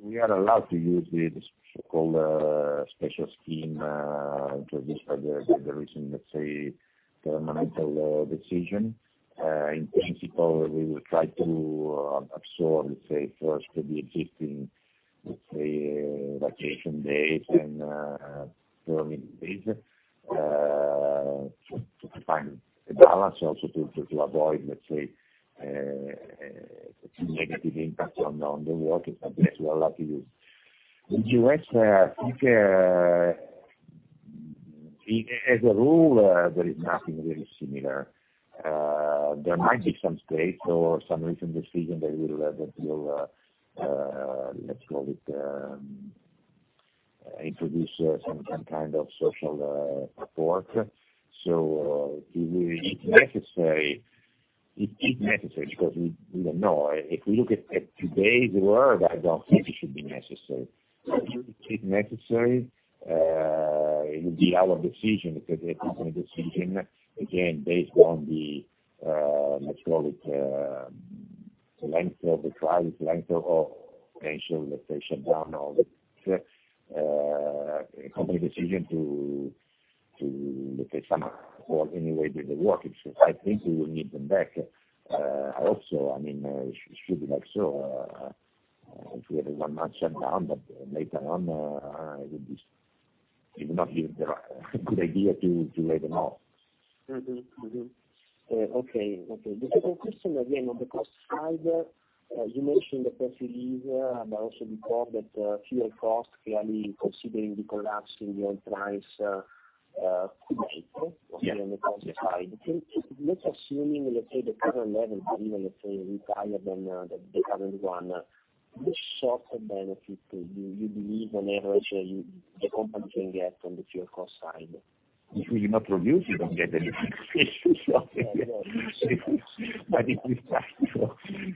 We are allowed to use the so-called special scheme introduced by the recent governmental decision. In principle, we will try to absorb first the existing vacation days and, (audio distortion) to find a balance also to avoid too negative impact on the workers. Yes, we are allowed to use. In the U.S., I think as a rule, there is nothing really similar. There might be some states or some recent decision that will introduce some kind of social support. If necessary, because we don't know. If we look at today's world, I don't think it should be necessary. If necessary, it would be our decision because it is a decision, again, based on the, let's call it, the length of the crisis, length of potential, let's say, shutdown, or the company decision to, let's say, somehow support any way with the workers. I think we will need them back. Also, it should be like so. If we have a one-month shutdown, but later on, it would not be the right, good idea to lay them off. Okay. The second question again, on the cost side, you mentioned the personnel leave, but also before that fuel cost, clearly, considering the collapse in the oil price could help on the cost side. Just assuming, let's say, the current level will even retire than the current one, which sort of benefit do you believe on average the company can get on the fuel cost side? If you do not produce, you don't get anything. Yeah. If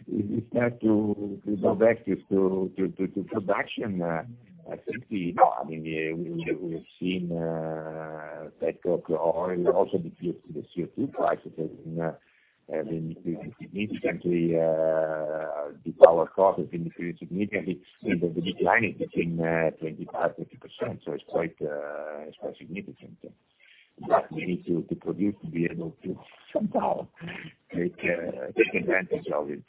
we start to go back to production, I think we have seen the price of oil also decrease. The CO2 prices have been decreased significantly. The power cost has been decreased significantly. The decline is between 25%-30%, so it's quite significant. We need to produce to be able to somehow take advantage of it.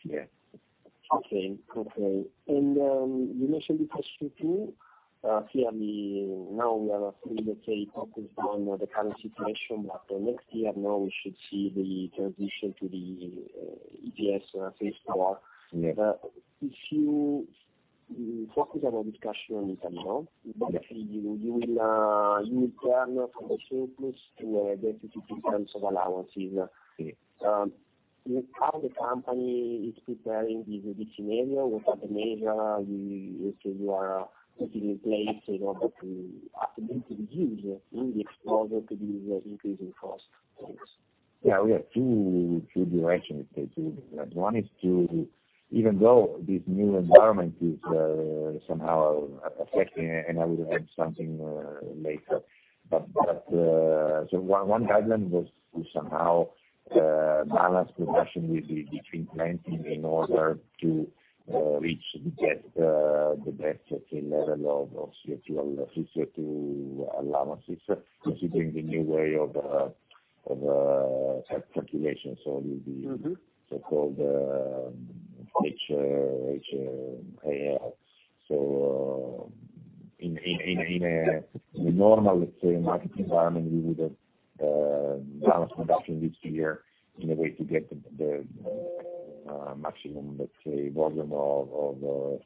Okay. You mentioned the CO2. Clearly, now we are fully focused on the current situation, next year now we should see the transition to the ETS Phase 4. If you focus our discussion on Italy now, you will turn from the surplus to a deficit in terms of allowances. How the company is preparing this scenario? What are the measures you are putting in place in order to absolutely reduce the exposure to this increasing cost? Thanks. We have two directions. One is to, even though this new environment is somehow affecting, and I will add something later. One guideline was to somehow balance production between plants in order to reach the best level of CO2 allowances, considering the new way of calculation. It will be so-called HAL. In a normal, let's say, market environment, we would have balanced production this year in a way to get the maximum volume of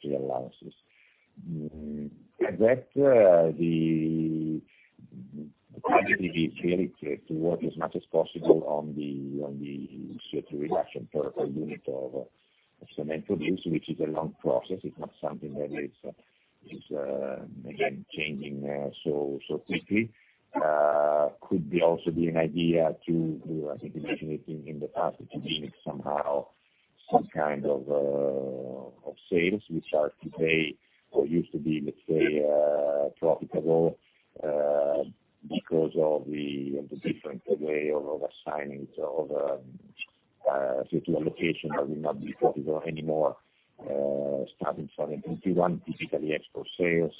free allowances. With that, the strategy is clearly clear to work as much as possible on the CO2 reduction per unit of cement produced, which is a long process. It's not something that is, again, changing so quickly. Could also be an idea to, I think we mentioned it in the past, to de-mix somehow some kind of sales which are today or used to be, let's say, profitable because of the different way of assigning CO2 allocation that will not be profitable anymore, starting from 2021, typically export sales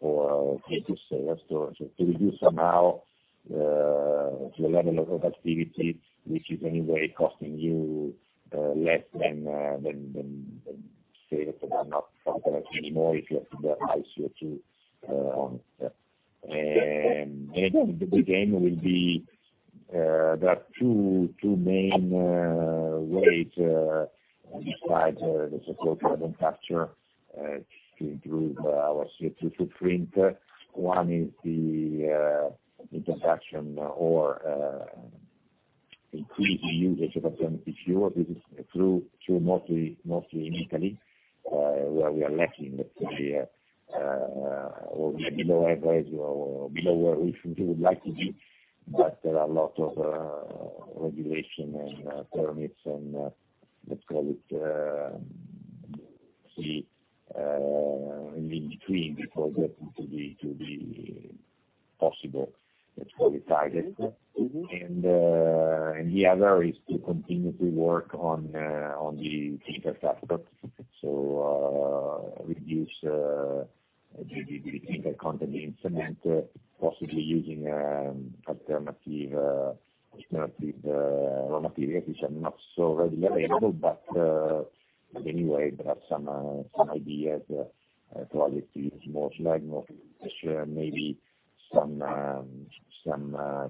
or clinker sales. To reduce somehow the level of activity, which is anyway costing you less than sales that are not profitable anymore if you have the high CO2. Maybe the game will be there are two main ways besides the so-called carbon capture to improve our CO2 footprint. One is the introduction or increased usage of alternative fuel. This is through mostly in Italy where we are lacking, let's say, or maybe lower average or lower if we would like to be. There are a lot of regulation and permits, and let's call it- see in between before that to be possible to reach target. The other is to continue to work on the clinker aspect. Reduce the clinker content in cement, possibly using alternative raw materials, which are not so readily available. Anyway, there are some ideas, projects we use more slag, more shale, maybe some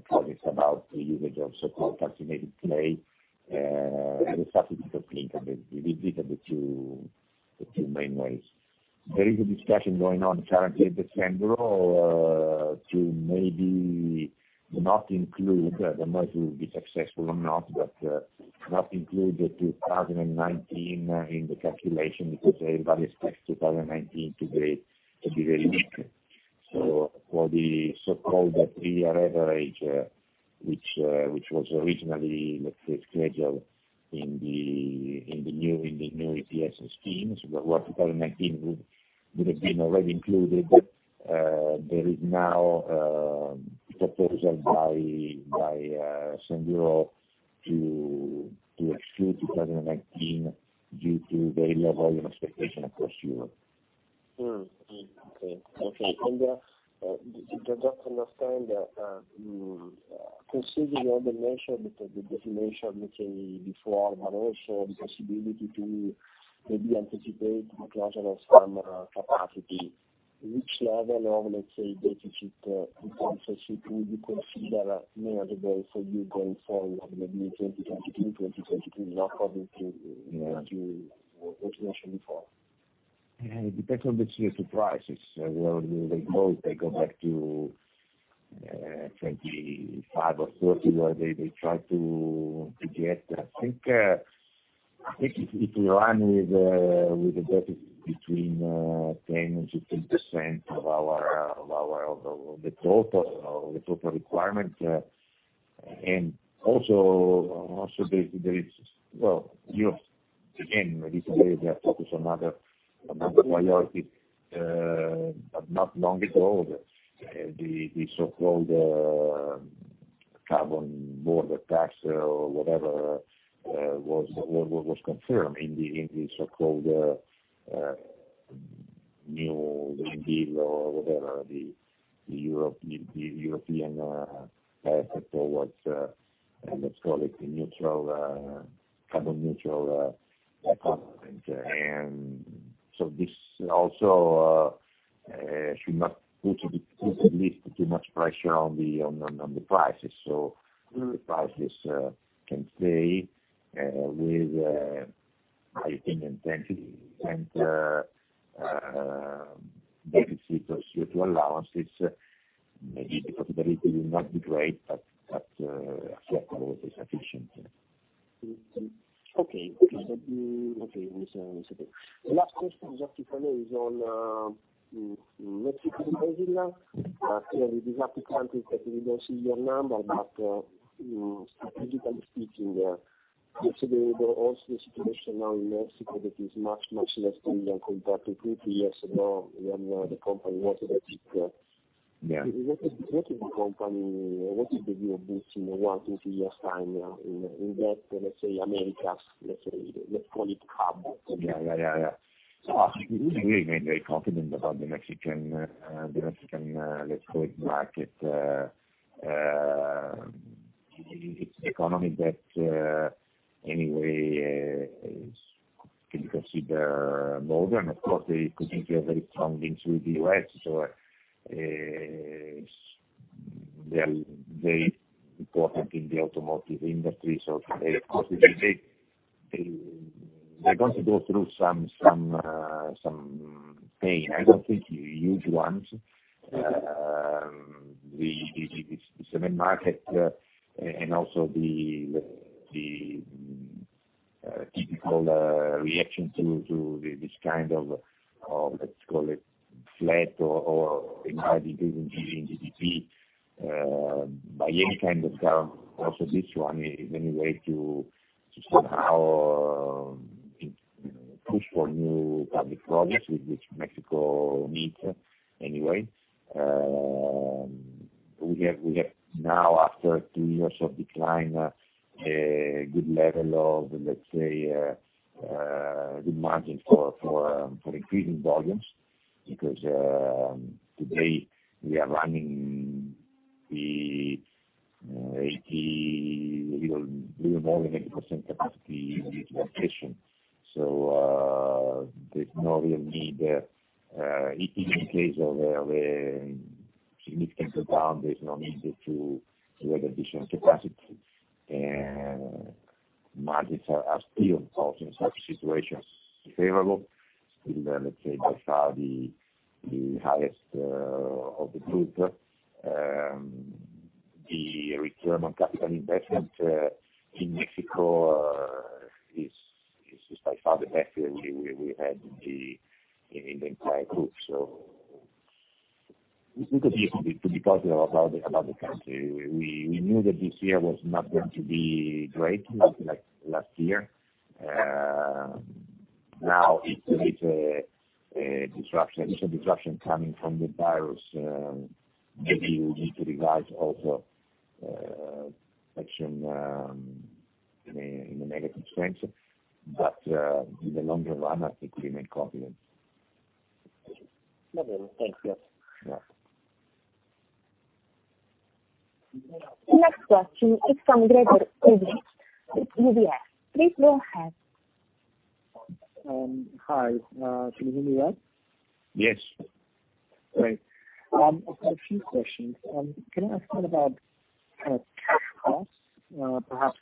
projects about the usage of so-called calcinated clay as a substitute of clinker. These are the two main ways. There is a discussion going on currently at the Cembureau to maybe not include, don't know if it will be successful or not, but not include the 2019 in the calculation because everybody expects 2019 to be very weak. For the so-called three-year average, which was originally, let's say, scheduled in the new ETS schemes, where 2019 would have been already included. There is now a proposal by Cembureau to exclude 2019 due to the low volume expectation across Europe. Okay. Just to understand, considering all the measure, the definition, let's say, before, but also the possibility to maybe anticipate the closure of some capacity, which level of, let's say, deficit in terms of CO2 do you consider manageable for you going forward, maybe in 2022, 2023, according to what you mentioned before? It depends on the CO2 prices, where they go. If they go back to 25 or 30, or they try to get I think it will run with a deficit between 10% and 15% of the total requirement. Also, there is, well, again, recently we are focused on other priorities. Not long ago, the so-called Carbon Border Tax or whatever, was confirmed in the so-called European Green Deal or whatever, the European path towards, let's call it carbon neutral continent. This also should not put at least too much pressure on the prices. The prices can stay with, I think, a 10% deficit of CO2 allowances. Maybe the profitability will not be great, but acceptable, is sufficient. Okay. Understood. The last question, just to follow, is on Mexico and Brazil. Clearly, these are two countries that we don't see your number, but strategically speaking, also the situation now in Mexico that is much less stable compared to two, three years ago. What is the view of this in one, two, three years' time in that, let's say, Americas, let's call it hub? Yeah. We remain very confident about the Mexican, let's call it, market. It's an economy that, anyway, can be considered modern. Of course, they continue to have very strong links with the U.S. They are very important in the automotive industry. They, of course, are going to go through some pain. I don't think huge ones. The cement market, also the typical reaction to this kind of, let's call it, flat or even negative GDP, by any kind of term, also this one is anyway to somehow push for new public projects, which Mexico needs anyway. We have now, after two years of decline, a good level of, let's say, good margin for increasing volumes, because today we are running a little more than 80% capacity utilization. There's no real need, even in case of a significant slowdown, there's no need to add additional capacity. Margins are still, also in such situations, favorable. Still, let's say, by far the highest of the group. The return on capital investment in Mexico is by far the best we have in the entire group. To be positive about the country, we knew that this year was not going to be great, like last year. Now it's a disruption coming from the virus. Maybe we need to revise also action in a negative sense. In the longer run, I think we remain confident. No problem. Thanks. Yes. Yeah. Next question is from Gregor Kuglitsch with UBS. Please go ahead. Hi. Can you hear me well? Yes. Great. I've got a few questions. Can I ask one about cash costs? Perhaps,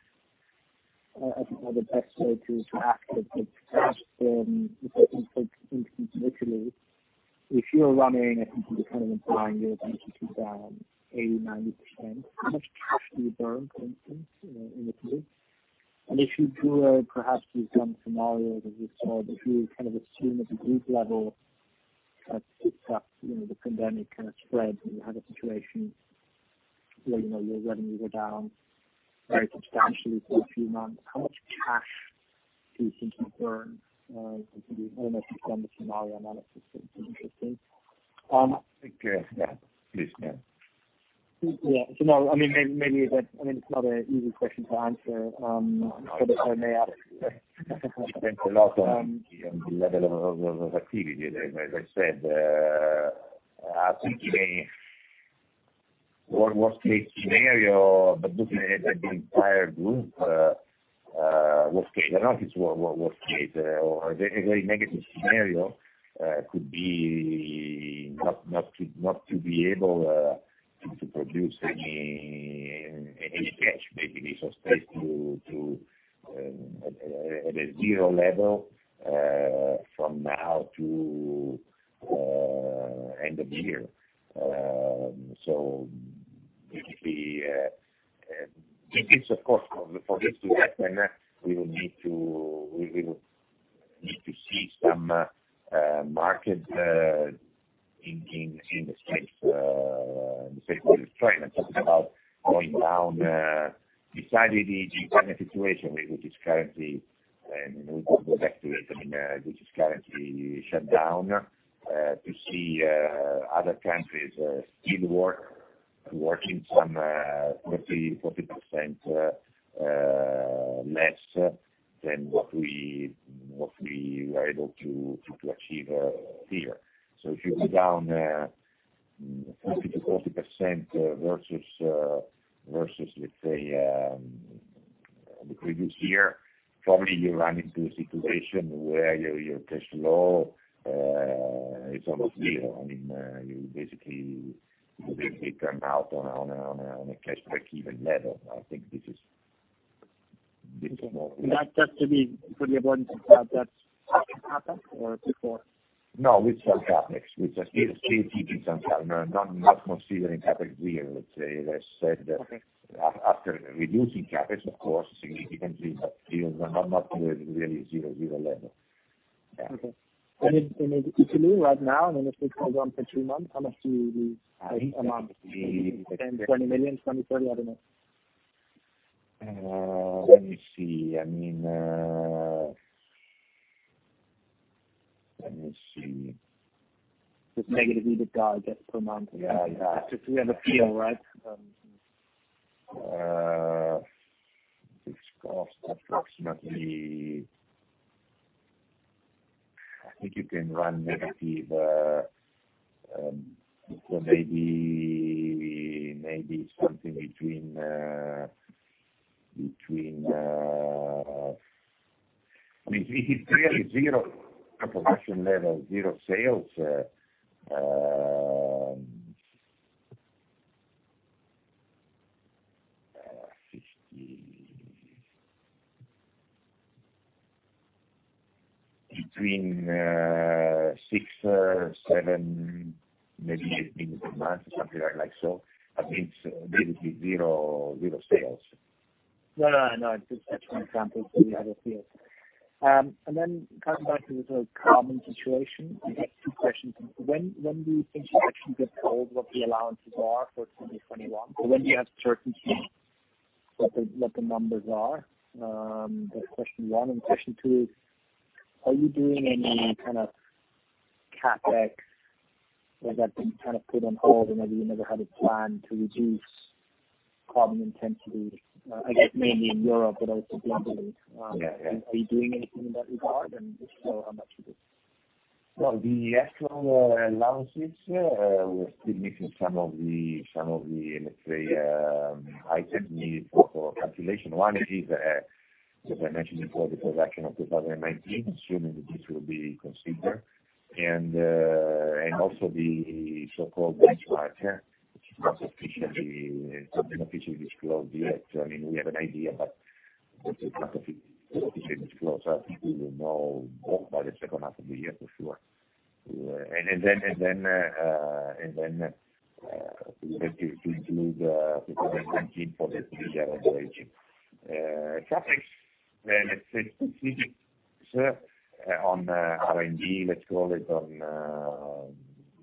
I don't know the best way to ask it, but perhaps from, if I can take instance literally, if you're running, I think you were kind of implying you're down 80%, 90%, how much cash do you burn, for instance, in the group? Perhaps you've done scenarios as we saw, but if you kind of assume at the group level, perhaps the pandemic spread, and you have a situation where your revenues are down very substantially for a few months, how much cash do you think you burn? I don't know if you've done the scenario analysis, it would be interesting. Yeah. Please, yeah. Yeah. I mean, maybe it's not an easy question to answer, for me to ask. Depends a lot on the level of activity. As I said, I think a worst case scenario, but looking at the entire group, worst case. I know it's worst case. A very negative scenario could be not to be able to produce any cash, maybe be sustained at a zero level from now to end of year. Basically, of course, for this to happen, we will need to see some market in the U.S., in the same way as China. I'm talking about going down, beside the China situation, which is currently, and we will go back to it, which is currently shut down, to see other countries still working some 40% less than what we were able to achieve here. If you go down 50%-40% versus, let's say, the previous year, probably you run into a situation where your cash flow is almost zero. You basically turn out on a cash break-even level. I think this is difficult. That's to be pretty abundant that that's happened or could happen? No, with the CapEx, which are still keeping some cash burn, not considering CapEx zero, let's say. I said that after reducing CapEx, of course, significantly, but still they are not really zero level. Yeah. Okay. In Italy right now, I mean, if we close down for two months, how much do you lose, like, a month? 10, EUR 20 million, EUR 20, EUR 30, I don't know. Let me see. Let me see. Just negative EBITDA, I guess, per month. Yeah. Just to have a feel, right? It's cost approximately I think you can run negative. Maybe something If it is really zero production level, zero sales, between 6 million, 7 million, maybe 8 million per month or something like so. It's basically zero sales. No, it's just an example, so we have a feel. Then coming back to the sort of carbon situation, I have two questions. When do you think you'll actually get told what the allowances are for 2021? When do you have certainty what the numbers are? That's question one. Question two is, are you doing any kind of CapEx that have been kind of put on hold, or maybe you never had a plan to reduce carbon intensity, I guess mainly in Europe, but also globally. Are you doing anything in that regard? If so, how much is it? Well, the actual allowances, we are still missing some of the, let's say, items needed for calculation. One is, as I mentioned before, the production of 2019, assuming that this will be considered. Also the so-called base right, which is not officially disclosed yet. I mean, we have an idea, but until it's not officially disclosed, I think we will know more by the second half of the year, for sure. Then we have to include 2019 for the three-year averaging. CapEx, let's say, specifically on R&D, let's call it,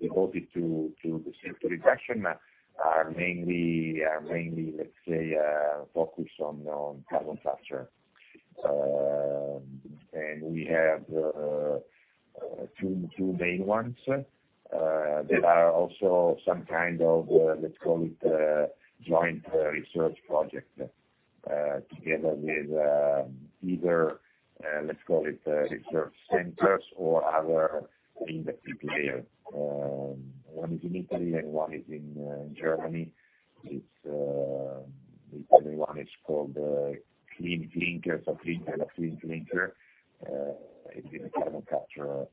devoted to the CO2 reduction, are mainly focused on carbon capture. We have two main ones, that are also some kind of joint research project together with either research centers or other industry players. One is in Italy, and one is in Germany. The Italy one is called CLEANKER. clinker plus CLEANKER. It's a carbon capture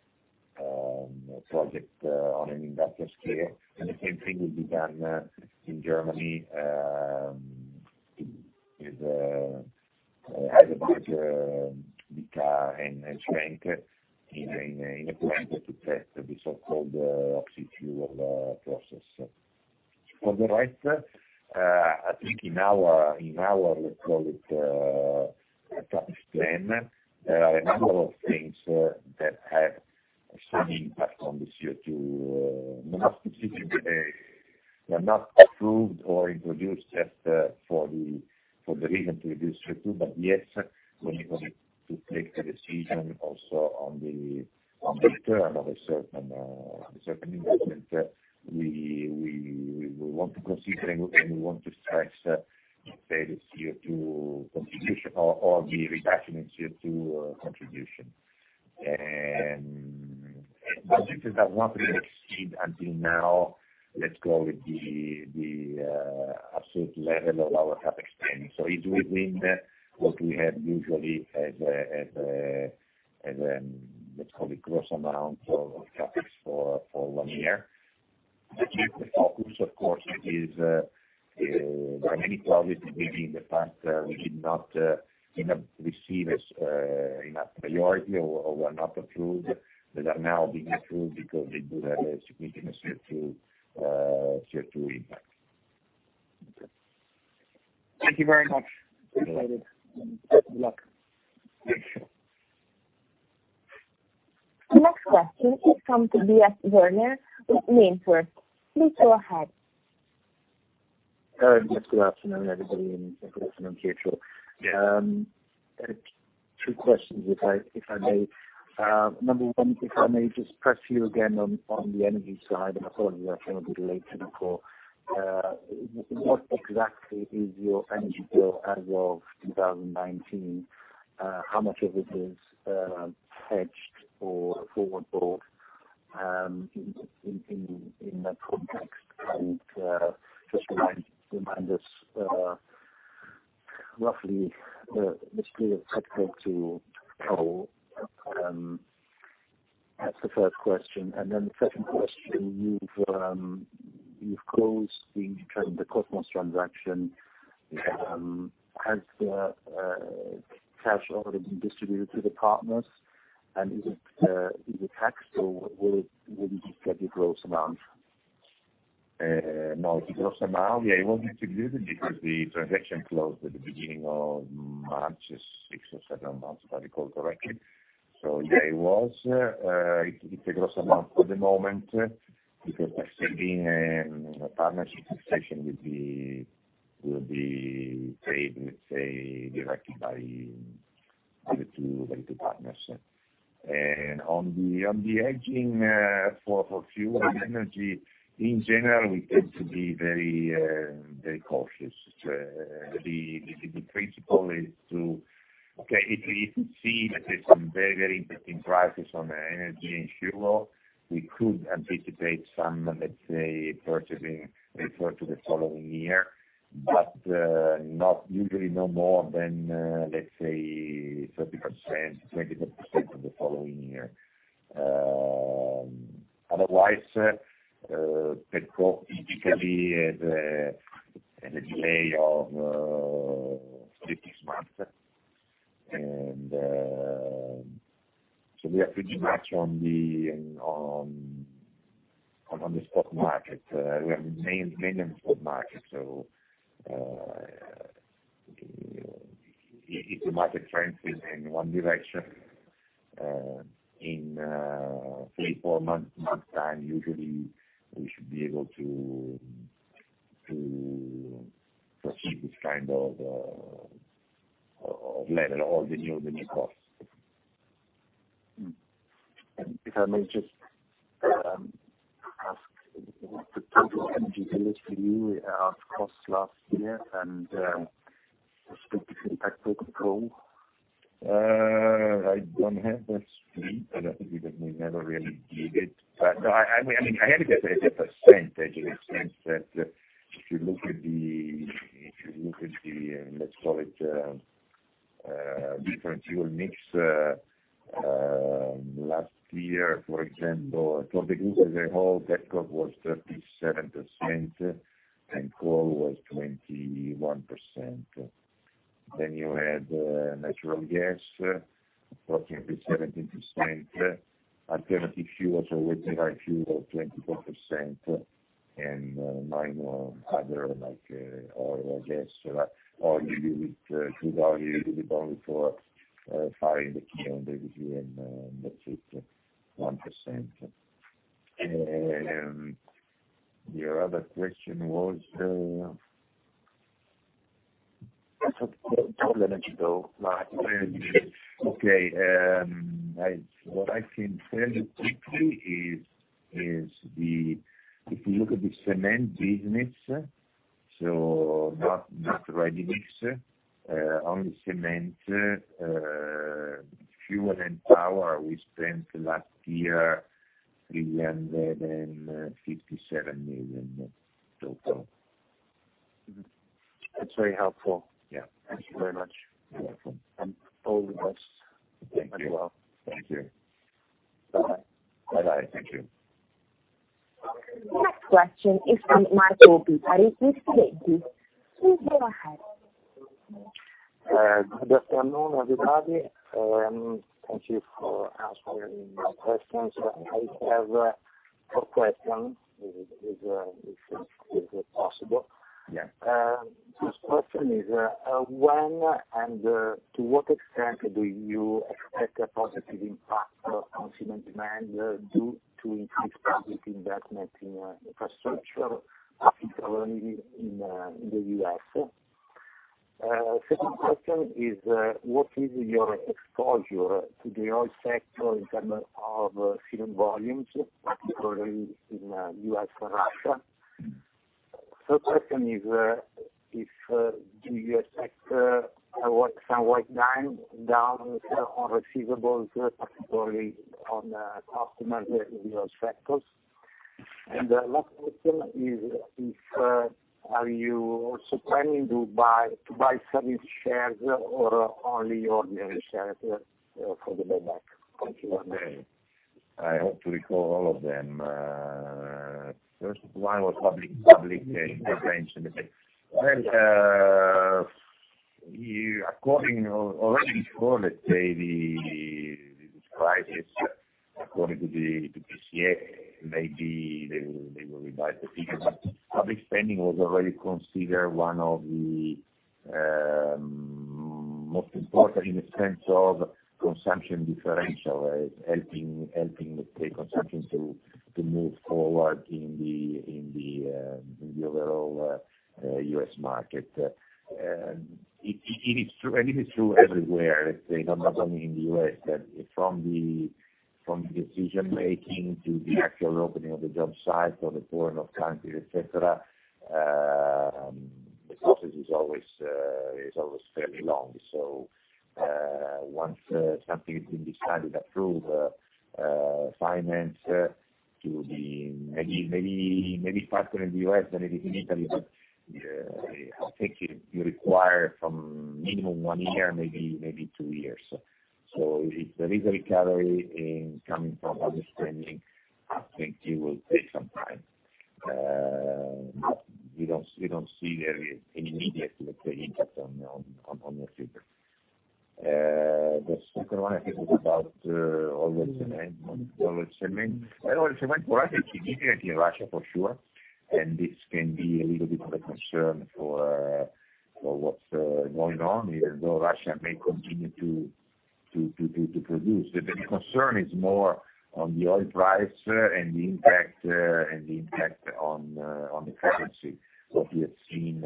project on an industrial scale. The same thing will be done in Germany with HeidelbergCement and SCHWENK in a plant to test the so-called oxy-fuel process. For the rest, I think in our, let's call it, CapEx plan, there are a number of things that have some impact on the CO2. Not specifically, they are not approved or introduced just for the reason to reduce CO2, yes, when it comes to take the decision also on the return of a certain investment, we will want to consider and we want to stress, let's say, the CO2 contribution or the reduction in CO2 contribution. Budgets have not really exceeded until now, let's call it, the absolute level of our CapEx spending. It's within what we have usually as a, let's call it, gross amount of CapEx for one year. I think the focus, of course, is there are many projects which in the past did not receive enough priority or were not approved, that are now being approved because they do have a significant CO2 impact. Okay. Thank you very much. Appreciate it. Best of luck. Thank you. The next question is from Tobias Woerner with MainFirst. Please go ahead. Yes. Good afternoon, everybody, and good afternoon, Pietro. Two questions, if I may. Number one, if I may just press you again on the energy side, and I apologize, I know I'm a bit late to the call. What exactly is your energy bill as of 2019? How much of it is hedged or forward bought in that context? Just remind us roughly the split of coal. That's the first question. The second question, you've closed the Kosmos transaction- has the cash already been distributed to the partners, and is it taxed, or will we just get the gross amount? No, the gross amount. Yeah, it was distributed because the transaction closed at the beginning of March. It's six or seven months, if I recall correctly. Yeah, it's a gross amount at the moment because, let's say, the partnership exception will be paid, let's say, directly by the two partners. On the hedging for fuel and energy, in general, we tend to be very cautious. The principle is to- okay, if we see, let's say, some very interesting prices on energy and fuel, we could anticipate some, let's say, purchasing referred to the following year. Usually no more than, let's say, 30%, 24% for the following year. Otherwise, that goes typically as a delay of six months. We are pretty much on the stock market. We are mainly in stock market, so if the market trends in one direction, in three, four months' time, usually, we should be able to proceed with kind of level all the new costs. If I may just ask, what the total energy bill is for you of costs last year, and the specific impact of coal? I don't have that split. I don't think we never really did it. No, I mean, I have the percentage in a sense that, if you look at the, let's call it, different fuel mix, last year, for example, for the group as a whole, that cost was 37%, and coal was 21%. You had natural gas, approximately 17%, alternative fuels or wood-derived fuel, 24%, and minor other, like oil or gas. Oil we use it really only for firing the kiln, the PC, and that's it, 10%. Your other question was? Total energy bill... Okay. What I can tell you quickly is, if you look at the cement business, so not ready-mix, only cement. Fuel and power, we spent last year EUR 357 million net total. That's very helpful. Thank you very much. You're welcome. All the best. Very Well. Thank you. Bye. Bye-bye. Thank you. Next question is from [Marco Bipari] with. (audio distortion) Please go ahead. Good afternoon, everybody. Thank you for answering my questions. I have four questions, if it is possible. Yeah. First question is, when and to what extent do you expect a positive impact on cement demand due to increased public investment in infrastructure, particularly in the U.S.? Second question is, what is your exposure to the oil sector in terms of cement volumes, particularly in U.S. and Russia? Third question is, do you expect some write-down on receivables, particularly on customers in those sectors? Last question is, are you also planning to buy savings shares or only ordinary shares for the buyback? I hope to recall all of them. First one was public spending. Well, already before, let's say, this crisis, according to PCA, maybe they will revise the figures. Public spending was already considered one of the most important in the sense of consumption differential, helping the consumption to move forward in the overall U.S. market. It is true everywhere, let's say, not only in the U.S., that from the decision making to the actual opening of the job site or the pouring of concrete, et cetera, the process is always fairly long. Once something has been decided, approved, financed to be maybe faster in the U.S. than it is in Italy, but I think you require from minimum one year, maybe two years. If there is a recovery in coming from understanding, I think it will take some time. We don't see any immediate impact on the figure. The second one, I think, was about oil-well cement. Oil cement, for us, is significant in Russia for sure. This can be a little bit of a concern for what's going on, even though Russia may continue to produce. The concern is more on the oil price and the impact on the currency of what we have seen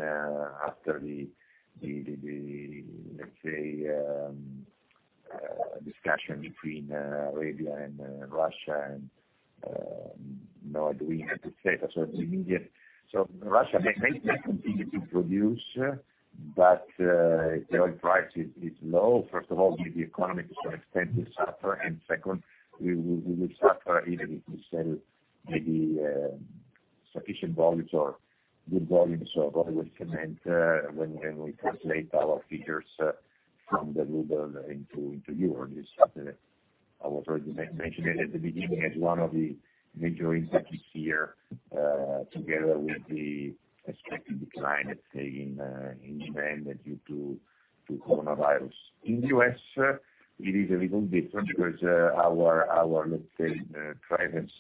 after the, let's say, discussion between Arabia and Russia. Russia may continue to produce, but the oil price is low. First of all, the economy to some extent will suffer, and second, we will suffer if we sell maybe sufficient volumes or good volumes of oil-well cement when we translate our figures from the ruble into euro. This is something that I was already mentioning at the beginning as one of the major impacts this year, together with the expected decline, let's say, in demand due to coronavirus. In the U.S., it is a little different because our, let's say, trends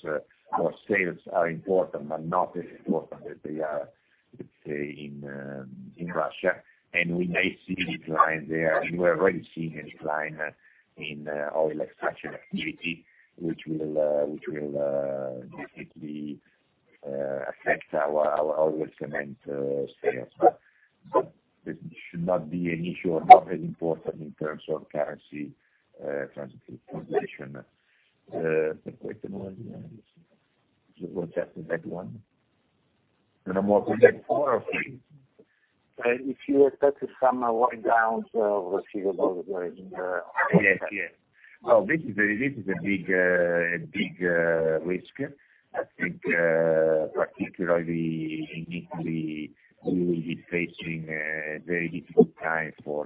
or sales are important, but not as important as they are, let's say, in Russia. We may see a decline there. We were already seeing a decline in oil extraction activity, which will definitely affect our oil-well cement sales. This should not be an issue or not as important in terms of currency translation. The question was that the next one? There are more than four of them. If you expect some write downs of receivables in the future. Yes. Well, this is a big risk. I think, particularly in Italy, we will be facing a very difficult time for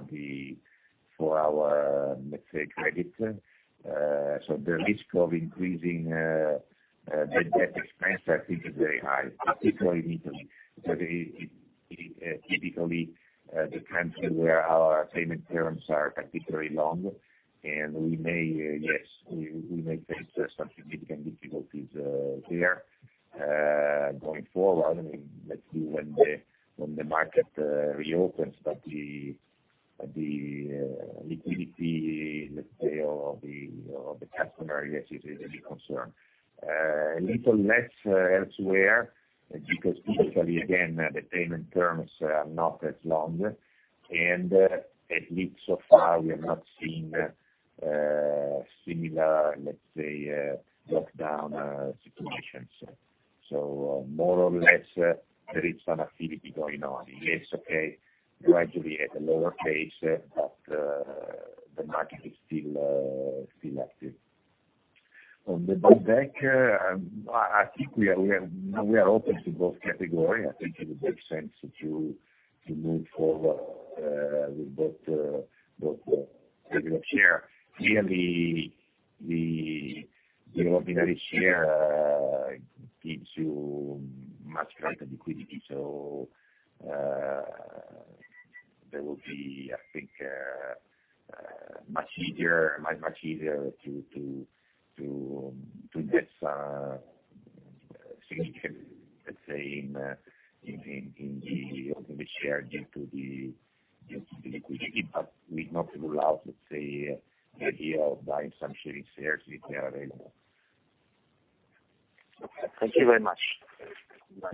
our, let's say, credit. The risk of increasing the debt expense, I think, is very high, particularly in Italy, because it is typically the country where our payment terms are particularly long, and we may face some significant difficulties there. Going forward, let's see when the market reopens. The liquidity, let's say, or the customer, yes, is a big concern. A little less elsewhere, because typically, again, the payment terms are not as long, and at least so far, we are not seeing similar, let's say, lockdown situations. More or less, there is some activity going on. Less gradually at a lower pace, but the market is still active. On the buyback, I think we are open to both categories. I think it would make sense to move forward with both ordinary shares. Clearly, the ordinary shares gives you much greater liquidity. There will be, I think, much easier to get significant, let's say, in the shares due to the liquidity, but we not rule out, let's say, the idea of buying some shares if they are available. Thank you very much. Bye.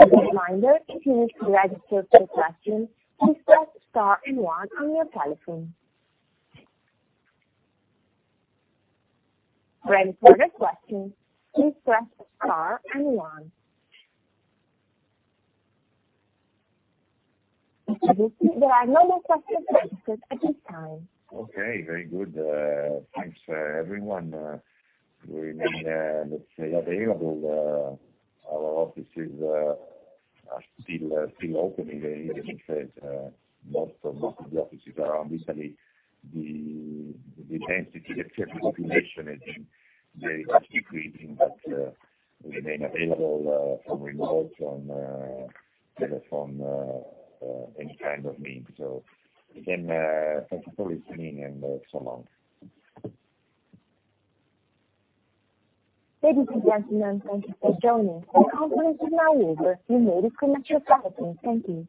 As a reminder, if you wish to register for a question, please press star and one on your telephone. Ready for the question, please press star and one. I do see there are no more questions registered at this time. Okay, very good. Thanks, everyone. We remain, let's say, available. Our offices are still open, even if most of the offices around Italy, the density of population has been very much decreasing. We remain available from remote, on telephone, any kind of means. Again, thank you for listening, and so long. Ladies and gentlemen, thank you for joining. The conference is now over. You may disconnect your telephones. Thank you.